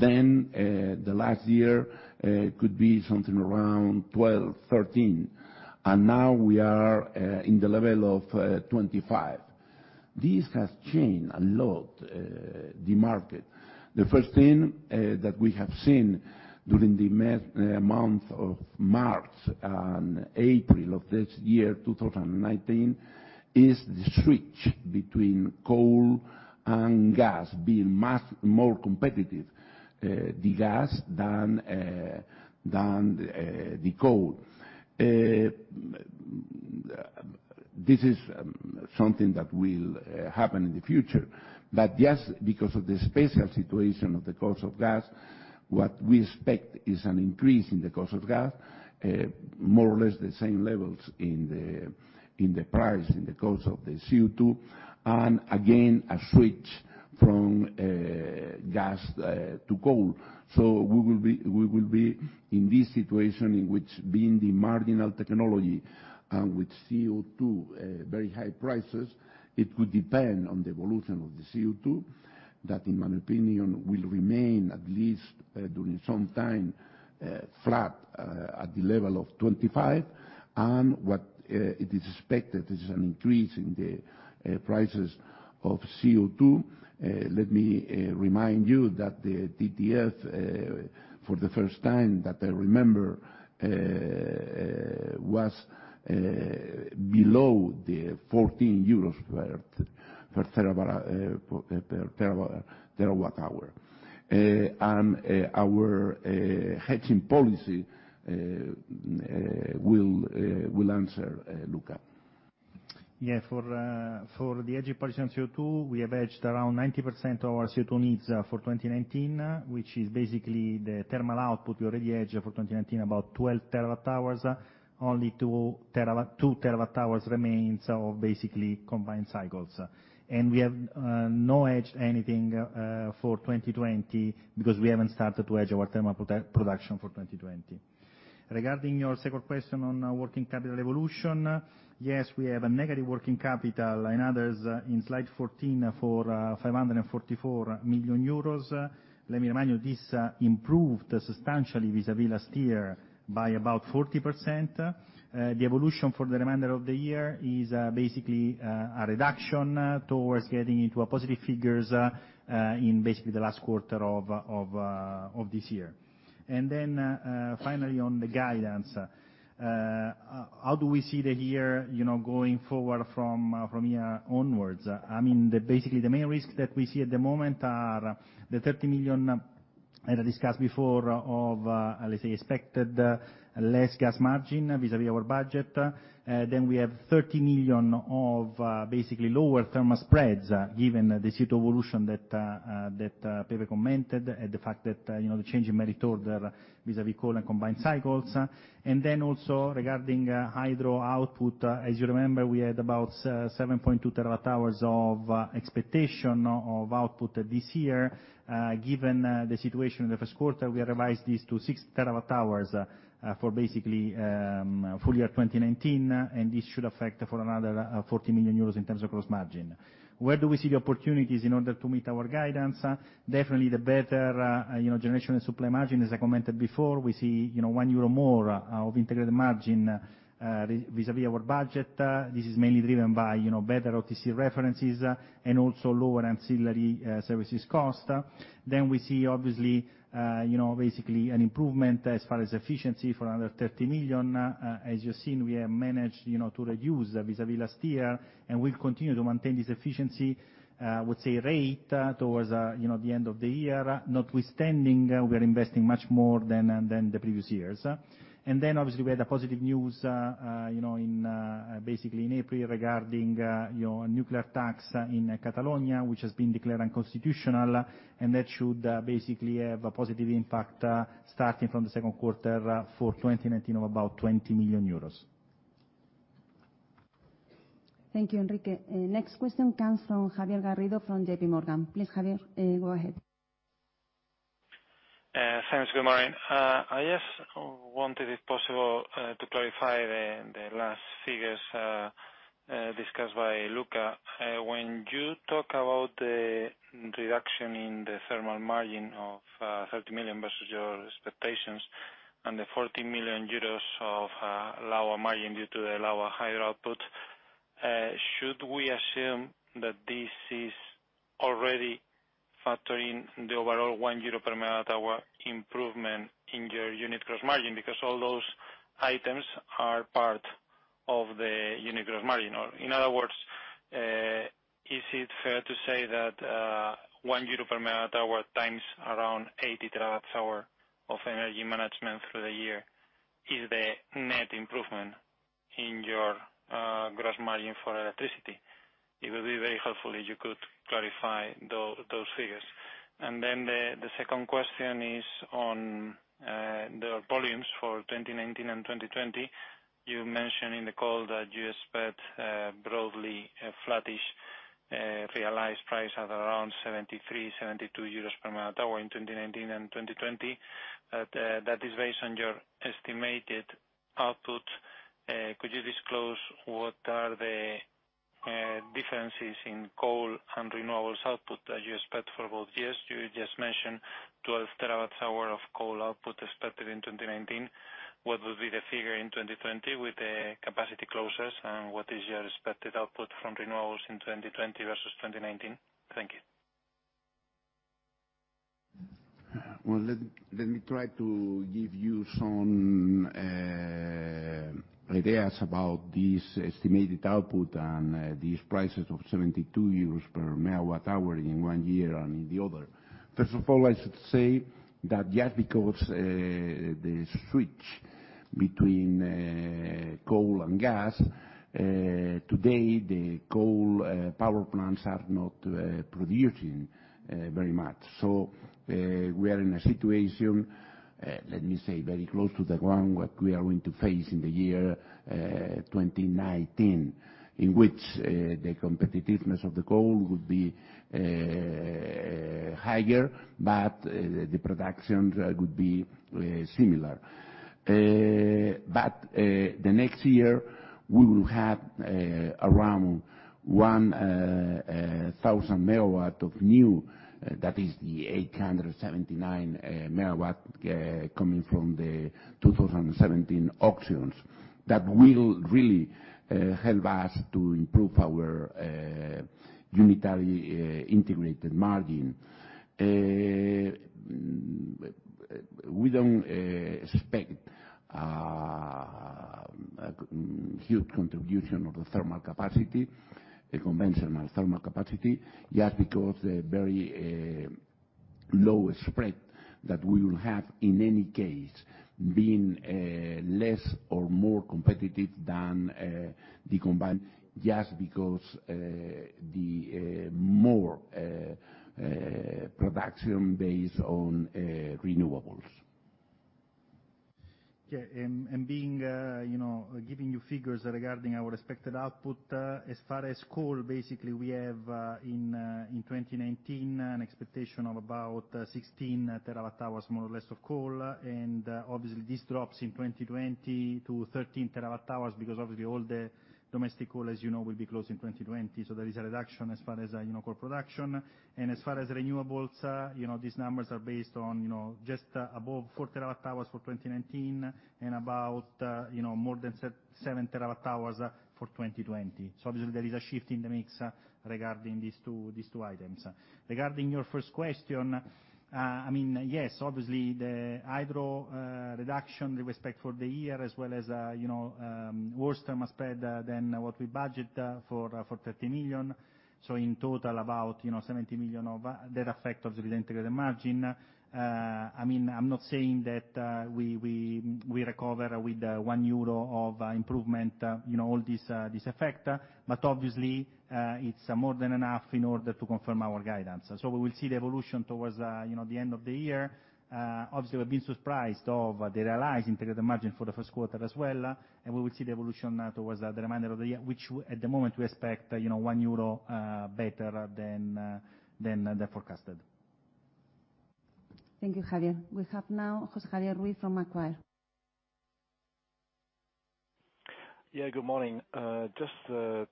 [SPEAKER 2] Then, last year could be something around 12, 13, and now we are in the level of 25. This has changed a lot, the market. The first thing that we have seen during the month of March and April of this year 2019 is the switch between coal and gas being much more competitive, the gas than the coal. This is something that will happen in the future. But just because of the special situation of the cost of gas, what we expect is an increase in the cost of gas, more or less the same levels in the price, in the cost of the CO2, and again, a switch from gas to coal. We will be in this situation in which, being the marginal technology and with CO2 very high prices, it could depend on the evolution of the CO2 that, in my opinion, will remain at least during some time flat at the level of 25. And what it is expected is an increase in the prices of CO2. Let me remind you that the TTF, for the first time that I remember, was below the EUR 14 per terawatt hour. And our hedging policy will answer Luca.
[SPEAKER 3] Yeah, for the energy production CO2, we have hedged around 90% of our CO2 needs for 2019, which is basically the thermal output we already hedged for 2019, about 12 terawatt hours. Only 2 terawatt hours remains of basically combined cycles. And we have not hedged anything for 2020 because we haven't started to hedge our thermal production for 2020. Regarding your second question on working capital evolution, yes, we have a negative working capital and others in slide 14 for 544 million euros. Let me remind you, this improved substantially vis-à-vis last year by about 40%. The evolution for the remainder of the year is basically a reduction towards getting into positive figures in basically the last quarter of this year, and then finally, on the guidance, how do we see the year going forward from here onwards? I mean, basically the main risks that we see at the moment are the 30 million, as I discussed before, of, let's say, expected less gas margin vis-à-vis our budget, then we have 30 million of basically lower thermal spreads given the CO2 evolution that Pepe commented and the fact that the change in merit order vis-à-vis coal and combined cycles. And then also regarding hydro output, as you remember, we had about 7.2 terawatt hours of expectation of output this year. Given the situation in the first quarter, we revised this to 6 terawatt hours for basically full year 2019, and this should affect for another 40 million euros in terms of gross margin. Where do we see the opportunities in order to meet our guidance? Definitely the better generation and supply margin, as I commented before. We see 1 euro more of integrated margin vis-à-vis our budget. This is mainly driven by better OTC references and also lower ancillary services cost. Then we see, obviously, basically an improvement as far as efficiency for another 30 million. As you've seen, we have managed to reduce vis-à-vis last year, and we'll continue to maintain this efficiency, I would say, rate towards the end of the year, notwithstanding we are investing much more than the previous years. And then, obviously, we had positive news basically in April regarding nuclear tax in Catalonia, which has been declared unconstitutional, and that should basically have a positive impact starting from the second quarter for 2019 of about 20 million euros.
[SPEAKER 1] Thank you, Enrico. Next question comes from Javier Garrido from JPMorgan. Please, Javier, go ahead.
[SPEAKER 7] Thanks, good morning. I just wanted, if possible, to clarify the last figures discussed by Luca. When you talk about the reduction in the thermal margin of 30 million versus your expectations and the 40 million euros of lower margin due to the lower hydro output, should we assume that this is already factoring the overall 1 euro per MWh improvement in your unit gross margin? Because all those items are part of the unit gross margin. In other words, is it fair to say that 1 euro per MWh times around 80 terawatt-hours of energy management through the year is the net improvement in your gross margin for electricity? It would be very helpful if you could clarify those figures. And then the second question is on the volumes for 2019 and 2020. You mentioned in the call that you expect broadly a flattish realized price at around 73, 72 euros per MWh in 2019 and 2020. That is based on your estimated output. Could you disclose what are the differences in coal and renewables output that you expect for both years? You just mentioned 12 terawatt-hour of coal output expected in 2019. What would be the figure in 2020 with the capacity closures? And what is your expected output from renewables in 2020 versus 2019? Thank you.
[SPEAKER 3] Well, let me try to give you some ideas about this estimated output and these prices of 72 euros per MWh in one year and in the other. First of all, I should say that just because the switch between coal and gas, today the coal power plants are not producing very much. So we are in a situation, let me say, very close to the one that we are going to face in the year 2019, in which the competitiveness of the coal would be higher, but the production would be similar. But the next year, we will have around 1,000 MW of new, that is the 879 MW coming from the 2017 auctions, that will really help us to improve our unitary integrated margin. We don't expect a huge contribution of the thermal capacity, the conventional thermal capacity, just because the very low spread that we will have in any case, being less or more competitive than the combined, just because the more production based on renewables.
[SPEAKER 7] Yeah, and giving you figures regarding our expected output, as far as coal, basically we have in 2019 an expectation of about 16 terawatt-hours, more or less, of coal. And obviously, this drops in 2020 to 13 terawatt-hours because obviously all the domestic coal, as you know, will be closed in 2020. So there is a reduction as far as coal production. And as far as renewables, these numbers are based on just above four terawatt hours for 2019 and about more than seven terawatt hours for 2020. So obviously, there is a shift in the mix regarding these two items. Regarding your first question, I mean, yes, obviously, the hydro reduction with respect for the year, as well as worse thermal spread than what we budget for 30 million. So in total, about 70 million that affects the integrated margin. I mean, I'm not saying that we recover with 1 euro of improvement, all this effect, but obviously, it's more than enough in order to confirm our guidance. So we will see the evolution towards the end of the year. Obviously, we've been surprised of the realized integrated margin for the first quarter as well, and we will see the evolution towards the remainder of the year, which at the moment we expect 1 euro better than forecasted.
[SPEAKER 1] Thank you, Javier. We have now Jose Javier Ruiz from Macquarie.
[SPEAKER 8] Yeah, good morning. Just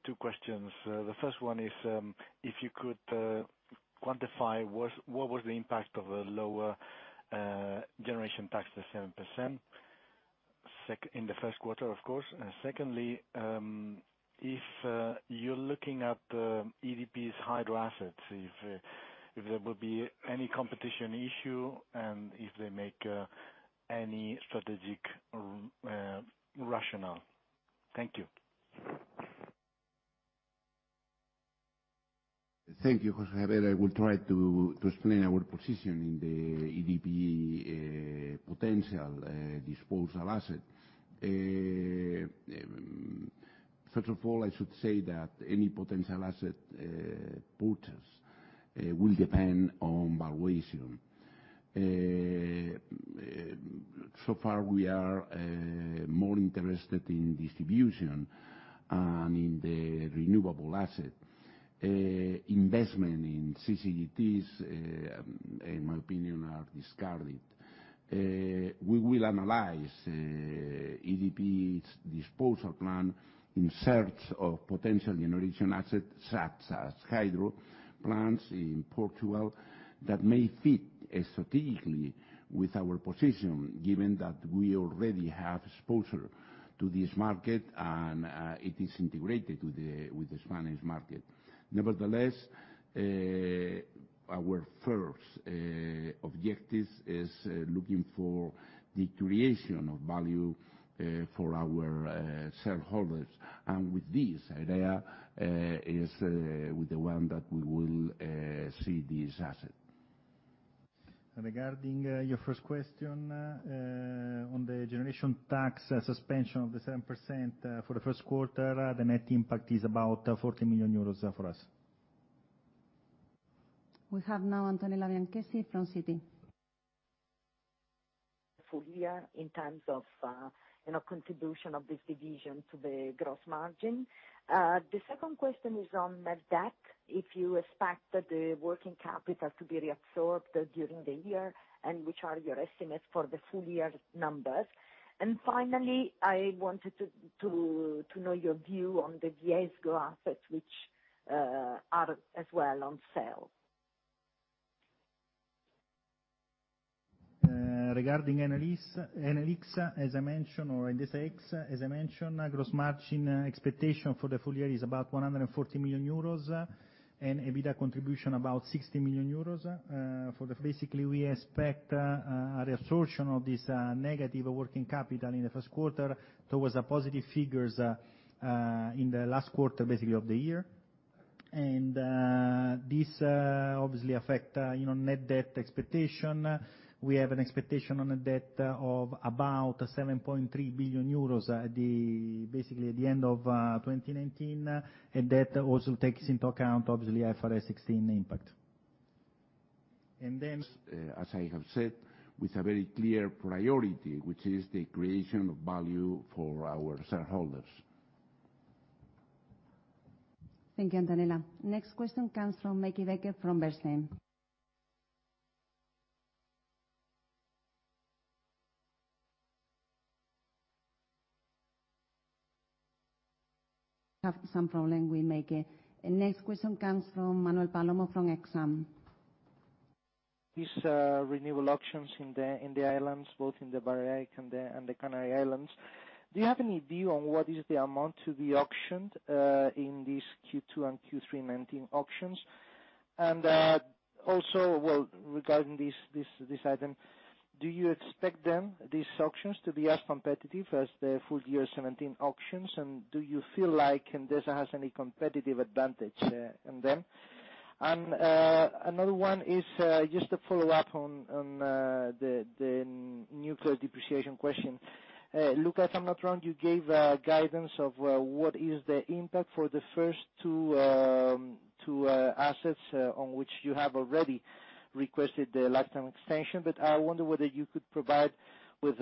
[SPEAKER 8] two questions. The first one is if you could quantify what was the impact of a lower generation tax of 7% in the first quarter, of course. And secondly, if you're looking at EDP's hydro assets, if there would be any competition issue and if they make any strategic rationale. Thank you.
[SPEAKER 2] Thank you, Jose Javier. I will try to explain our position in the EDP potential disposal asset. First of all, I should say that any potential asset purchase will depend on valuation. So far, we are more interested in distribution and in the renewable asset Investment in CCGTs, in my opinion, are discarded. We will analyze EDP's disposal plan in search of potential generation assets, such as hydro plants in Portugal, that may fit strategically with our position, given that we already have exposure to this market and it is integrated with the Spanish market. Nevertheless, our first objective is looking for the creation of value for our shareholders. And with this idea, it's with the one that we will see this asset.
[SPEAKER 3] Regarding your first question on the generation tax suspension of the 7% for the first quarter, the net impact is about 14 million euros for us.
[SPEAKER 1] We have now Antonella Bianchessi from Citi.
[SPEAKER 9] Full year in terms of contribution of this division to the gross margin. The second question is on MERDEC, if you expect the working capital to be reabsorbed during the year, and which are your estimates for the full year numbers? And finally, I wanted to know your view on the Viesgo assets, which are as well on sale.
[SPEAKER 3] Regarding Endesa X, as I mentioned, or Endesa X, as I mentioned, gross margin expectation for the full year is about 140 million euros and EBITDA contribution about 60 million euros for the. Basically, we expect a reabsorption of this negative working capital in the first quarter towards the positive figures in the last quarter, basically, of the year. And this obviously affects net debt expectation. We have an expectation on a debt of about 7.3 billion euros basically at the end of 2019, and that also takes into account, obviously, IFRS 16 impact. And then.
[SPEAKER 2] As I have said, with a very clear priority, which is the creation of value for our shareholders.
[SPEAKER 1] Thank you, Antonella. Next question comes from Meike Becker from Bernstein. Have some problem with Meike. Next question comes from Manuel Palomo from Exane.
[SPEAKER 10] These renewable auctions in the islands, both in the Balearic Islands and the Canary Islands, do you have any view on what is the amount to be auctioned in these Q2 and Q3 2019 auctions? And also, well, regarding this item, do you expect then these auctions to be as competitive as the full year 2017 auctions? And do you feel like Endesa has any competitive advantage in them? And another one is just to follow up on the nuclear depreciation question. Luca, if I'm not wrong, you gave guidance of what is the impact for the first two assets on which you have already requested the lifetime extension, but I wonder whether you could provide with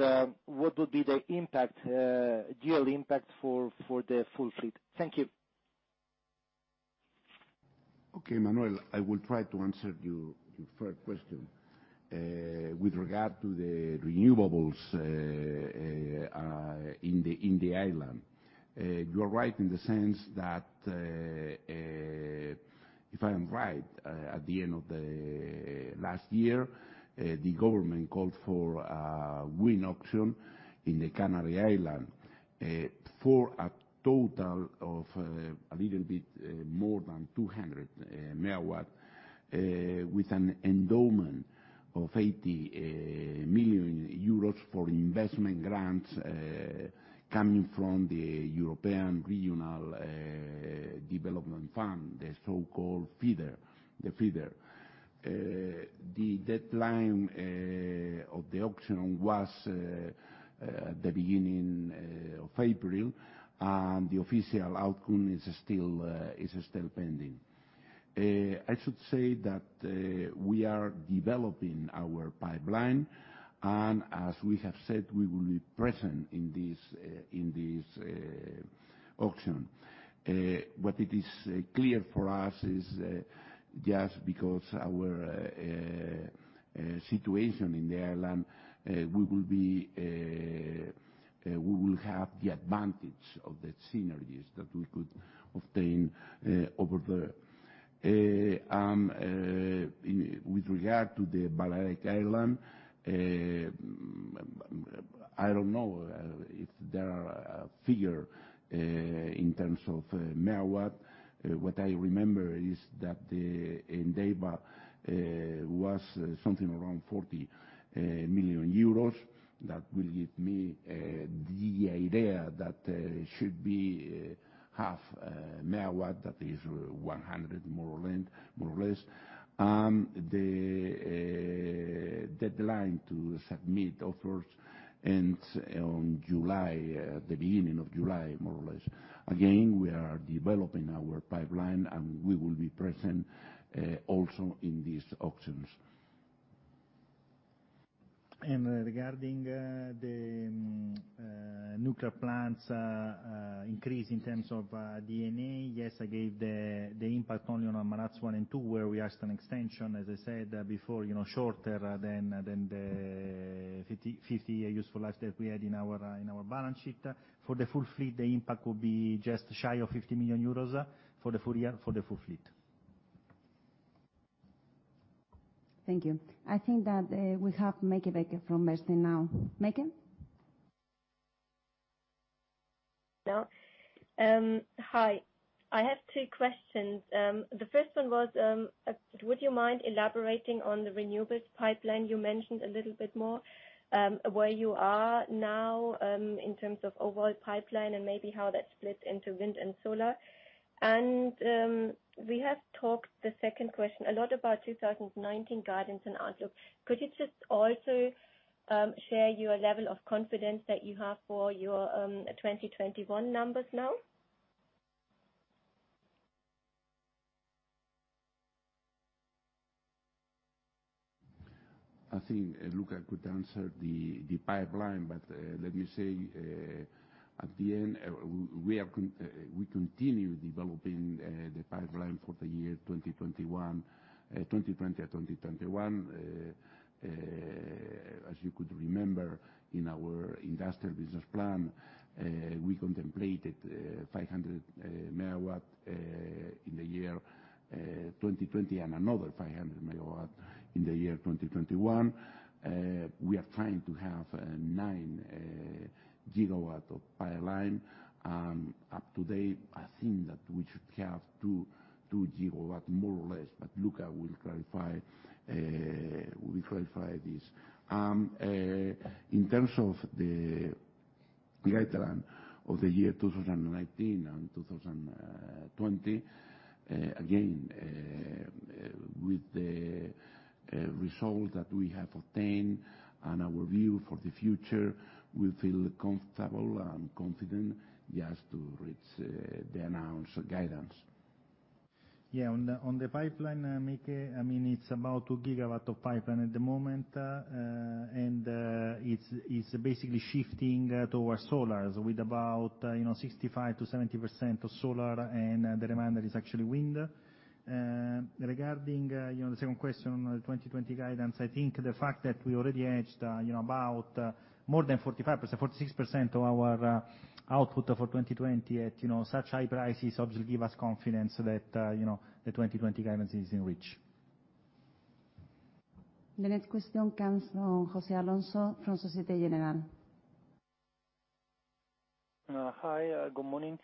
[SPEAKER 10] what would be the impact, dual impact for the full fleet. Thank you.
[SPEAKER 2] Okay, Manuel, I will try to answer your first question with regard to the renewables in the islands. You're right in the sense that, if I am right, at the end of the last year, the government called for a wind auction in the Canary Islands for a total of a little bit more than 200 MW with an endowment of 80 million euros for investment grants coming from the European Regional Development Fund, the so-called FEDER. The deadline of the auction was the beginning of April, and the official outcome is still pending. I should say that we are developing our pipeline, and as we have said, we will be present in this auction. What it is clear for us is just because of our situation in the island, we will have the advantage of the synergies that we could obtain over there. With regard to the Balearic Islands, I don't know if there are figures in terms of megawatt. What I remember is that the endeavor was something around 40 million euros that will give me the idea that should be half MW, that is 100 more or less. The deadline to submit offers ends in July, the beginning of July, more or less. Again, we are developing our pipeline, and we will be present also in these auctions.
[SPEAKER 3] Regarding the nuclear plants' increase in terms of D&A, yes, I gave the impact only on Almaraz 1 and 2, where we asked an extension, as I said before, shorter than the 50 years of life that we had in our balance sheet. For the full fleet, the impact would be just shy of 50 million euros for the full fleet.
[SPEAKER 1] Thank you. I think that we have Meike Becker from Bernstein now. Meike?
[SPEAKER 11] Hi. I have two questions. The first one was, would you mind elaborating on the renewables pipeline you mentioned a little bit more, where you are now in terms of overall pipeline and maybe how that splits into wind and solar? And we have talked the second question a lot about 2019 guidance and outlook. Could you just also share your level of confidence that you have for your 2021 numbers now?
[SPEAKER 2] I think Luca could answer the pipeline, but let me say at the end, we continue developing the pipeline for the year 2020 and 2021. As you could remember, in our industrial business plan, we contemplated 500 MW in the year 2020 and another 500 MW in the year 2021. We are trying to have nine gigawatts of pipeline. To date, I think that we should have two gigawatts, more or less, but Luca will clarify this. In terms of the guidance for the year 2019 and 2020, again, with the results that we have obtained and our view for the future, we feel comfortable and confident to reach the announced guidance.
[SPEAKER 3] Yeah, on the pipeline, Meike, I mean, it's about 2 gigawatts of pipeline at the moment, and it's basically shifting towards solar with about 65%-70% of solar, and the remainder is actually wind. Regarding the second question, the 2020 guidance, I think the fact that we already hedged about more than 45%, 46% of our output for 2020 at such high prices obviously gives us confidence that the 2020 guidance is in reach.
[SPEAKER 1] The next question comes from Jose Alonso from Société Générale.
[SPEAKER 12] Hi, good morning.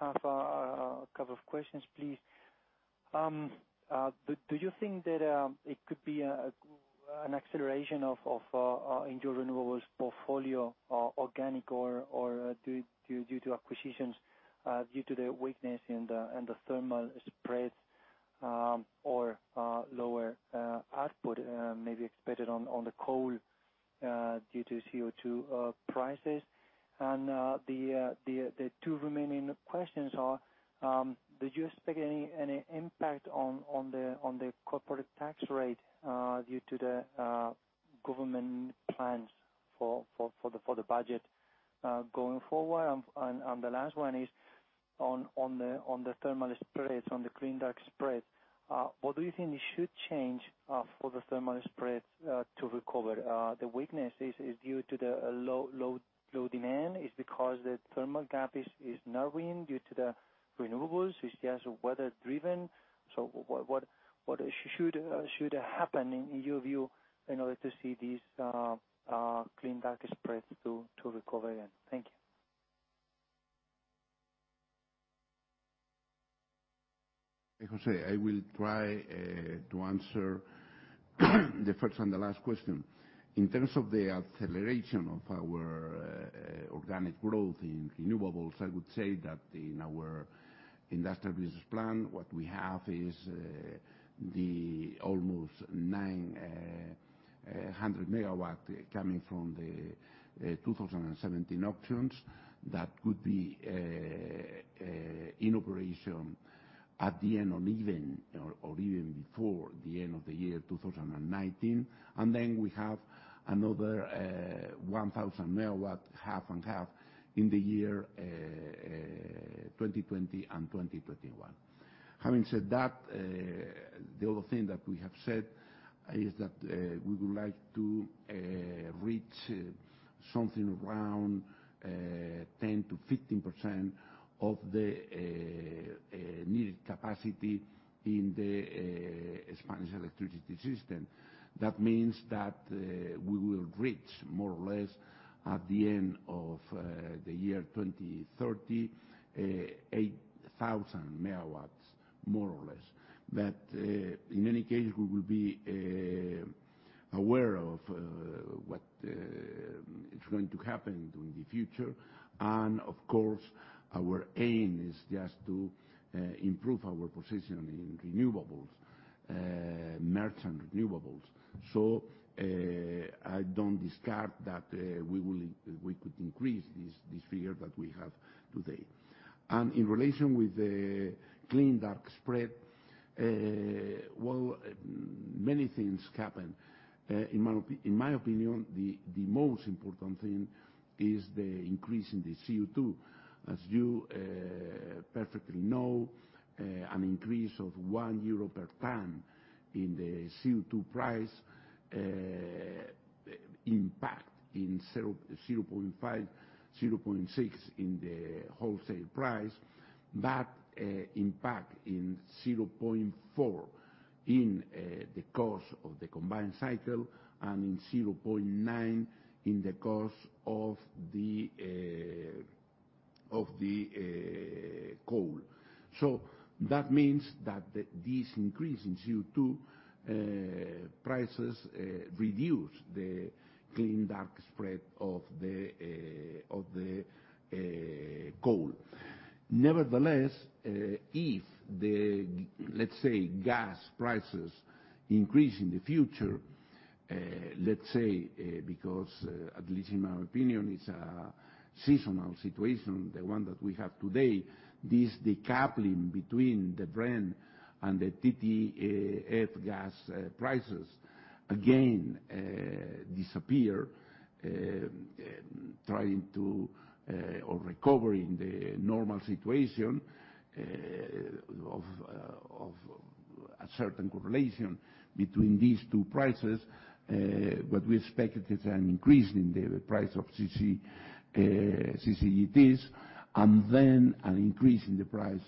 [SPEAKER 12] I have a couple of questions, please. Do you think that it could be an acceleration of your renewables portfolio, organic, or due to acquisitions due to the weakness in the thermal spreads or lower output may be expected on the coal due to CO2 prices? The two remaining questions are, did you expect any impact on the corporate tax rate due to the government plans for the budget going forward? And the last one is on the thermal spreads, on the clean dark spreads, what do you think should change for the thermal spreads to recover? The weakness is due to the low demand? Is it because the thermal gap is narrowing due to the renewables? Is it just weather-driven? So what should happen in your view in order to see these clean dark spreads to recover again? Thank you.
[SPEAKER 2] Jose, I will try to answer the first and the last question. In terms of the acceleration of our organic growth in renewables, I would say that in our industrial business plan, what we have is the almost 900 MW coming from the 2017 auctions that could be in operation at the end or even before the end of the year 2019, and then we have another 1,000 MW, half and half, in the year 2020 and 2021. Having said that, the other thing that we have said is that we would like to reach something around 10%-15% of the needed capacity in the Spanish electricity system. That means that we will reach, more or less, at the end of the year 2030, 8,000 MW, more or less, but in any case, we will be aware of what is going to happen in the future. And of course, our aim is just to improve our position in renewables, merchant renewables. So I don't discard that we could increase this figure that we have today. And in relation with the clean dark spread, well, many things happen. In my opinion, the most important thing is the increase in the CO2. As you perfectly know, an increase of 1 euro per ton in the CO2 price impacts 0.5-0.6 in the wholesale price, that impacts 0.4 in the cost of the combined cycle, and 0.9 in the cost of the coal. So that means that these increases in CO2 prices reduce the clean dark spread of the coal. Nevertheless, if the, let's say, gas prices increase in the future, let's say, because at least in my opinion, it's a seasonal situation, the one that we have today, this decoupling between the Brent and the TTF gas prices again disappear, trying to or recovering the normal situation of a certain correlation between these two prices, but we expect it to have an increase in the price of CCGTs and then an increase in the price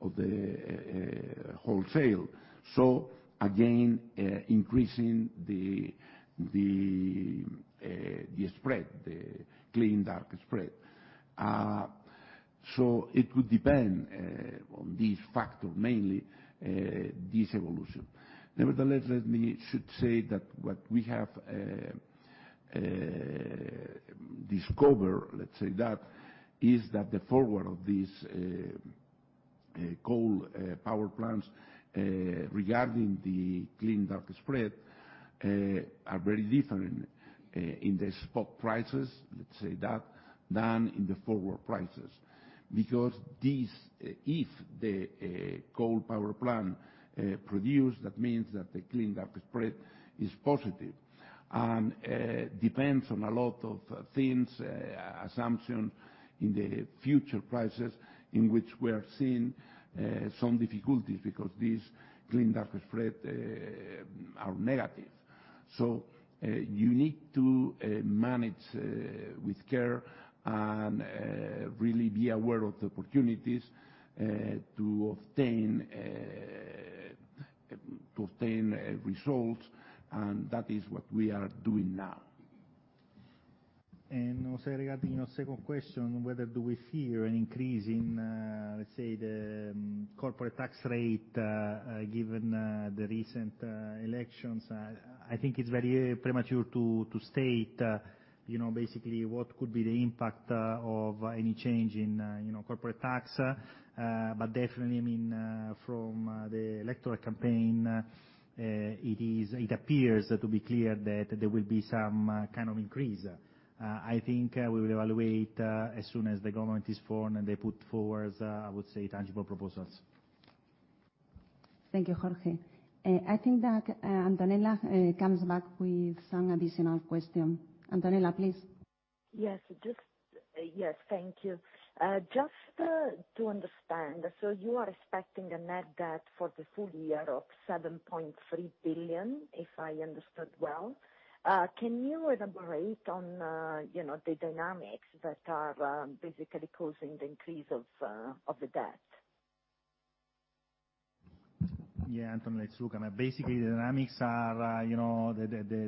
[SPEAKER 2] of the wholesale. So again, increasing the spread, the clean dark spread. So it would depend on these factors mainly, this evolution. Nevertheless, let me should say that what we have discovered, let's say that, is that the forward of these coal power plants regarding the clean dark spread are very different in the spot prices, let's say that, than in the forward prices. Because if the coal power plant produced, that means that the clean dark spread is positive. And depends on a lot of things, assumptions in the future prices in which we are seeing some difficulties because these clean dark spreads are negative. So you need to manage with care and really be aware of the opportunities to obtain results, and that is what we are doing now.
[SPEAKER 3] And José regarding your second question, whether do we fear an increase in, let's say, the corporate tax rate given the recent elections? I think it's very premature to state basically what could be the impact of any change in corporate tax. But definitely, I mean, from the electoral campaign, it appears to be clear that there will be some kind of increase. I think we will evaluate as soon as the government is formed and they put forward, I would say, tangible proposals.
[SPEAKER 1] Thank you, Jose. I think that Antonella comes back with some additional question. Antonella, please.
[SPEAKER 13] Yes. Yes, thank you. Just to understand, so you are expecting a net debt for the full year of 7.3 billion, if I understood well. Can you elaborate on the dynamics that are basically causing the increase of the debt?
[SPEAKER 3] Yeah, Antonella, it's Luca. Basically, the dynamics are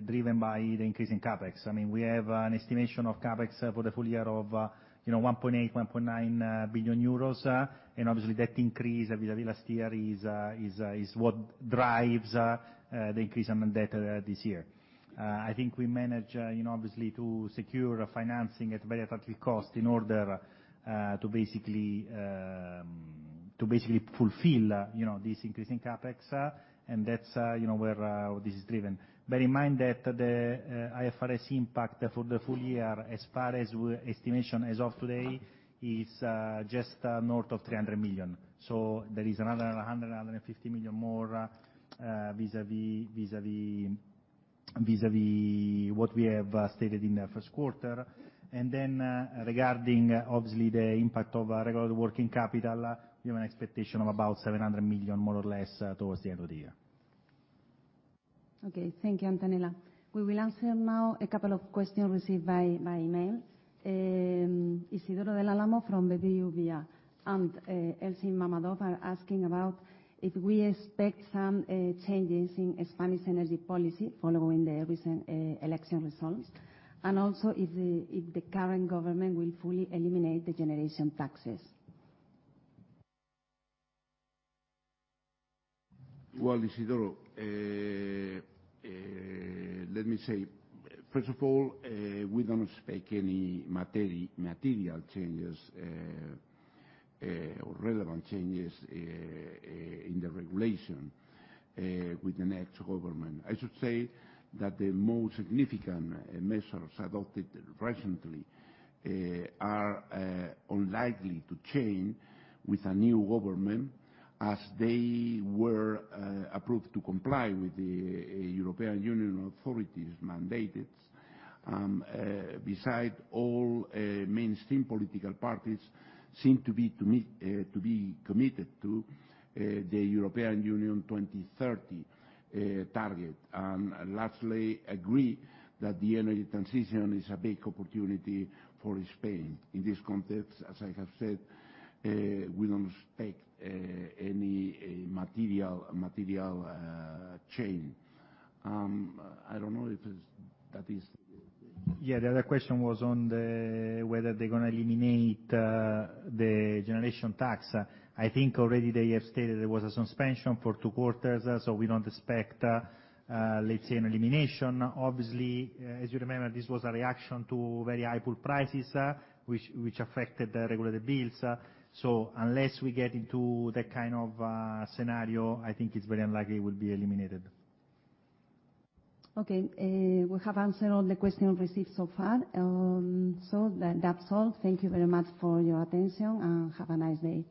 [SPEAKER 3] driven by the increase in CapEx. I mean, we have an estimation of CapEx for the full year of 1.8-1.9 billion euros, and obviously, that increase at the end of last year is what drives the increase in debt this year. I think we manage, obviously, to secure financing at very attractive cost in order to basically fulfill this increase in CapEx, and that's where this is driven. Bear in mind that the IFRS impact for the full year, as far as estimation as of today, is just north of 300 million. So there is another 100 million-150 million more vis-à-vis what we have stated in the first quarter. And then regarding, obviously, the impact of regular working capital, we have an expectation of about 700 million, more or less, towards the end of the year.
[SPEAKER 1] Okay. Thank you, Antonella. We will answer now a couple of questions received by email. Isidoro del Alamo from BBVA and Elçin Mammadov are asking about if we expect some changes in Spanish energy policy following the recent election results, and also if the current government will fully eliminate the generation taxes.
[SPEAKER 2] Isidoro, let me say, first of all, we don't expect any material changes or relevant changes in the regulation with the next government. I should say that the most significant measures adopted recently are unlikely to change with a new government as they were approved to comply with the European Union authorities mandated. Besides, all mainstream political parties seem to be committed to the European Union 2030 target. And lastly, agree that the energy transition is a big opportunity for Spain. In this context, as I have said, we don't expect any material change. I don't know if that is. Yeah, the other question was on whether they're going to eliminate the generation tax. I think already they have stated there was a suspension for two quarters, so we don't expect, let's say, an elimination. Obviously, as you remember, this was a reaction to very high pool prices, which affected the regulated bills. So unless we get into that kind of scenario, I think it's very unlikely it will be eliminated.
[SPEAKER 1] Okay. We have answered all the questions received so far. So that's all. Thank you very much for your attention, and have a nice day.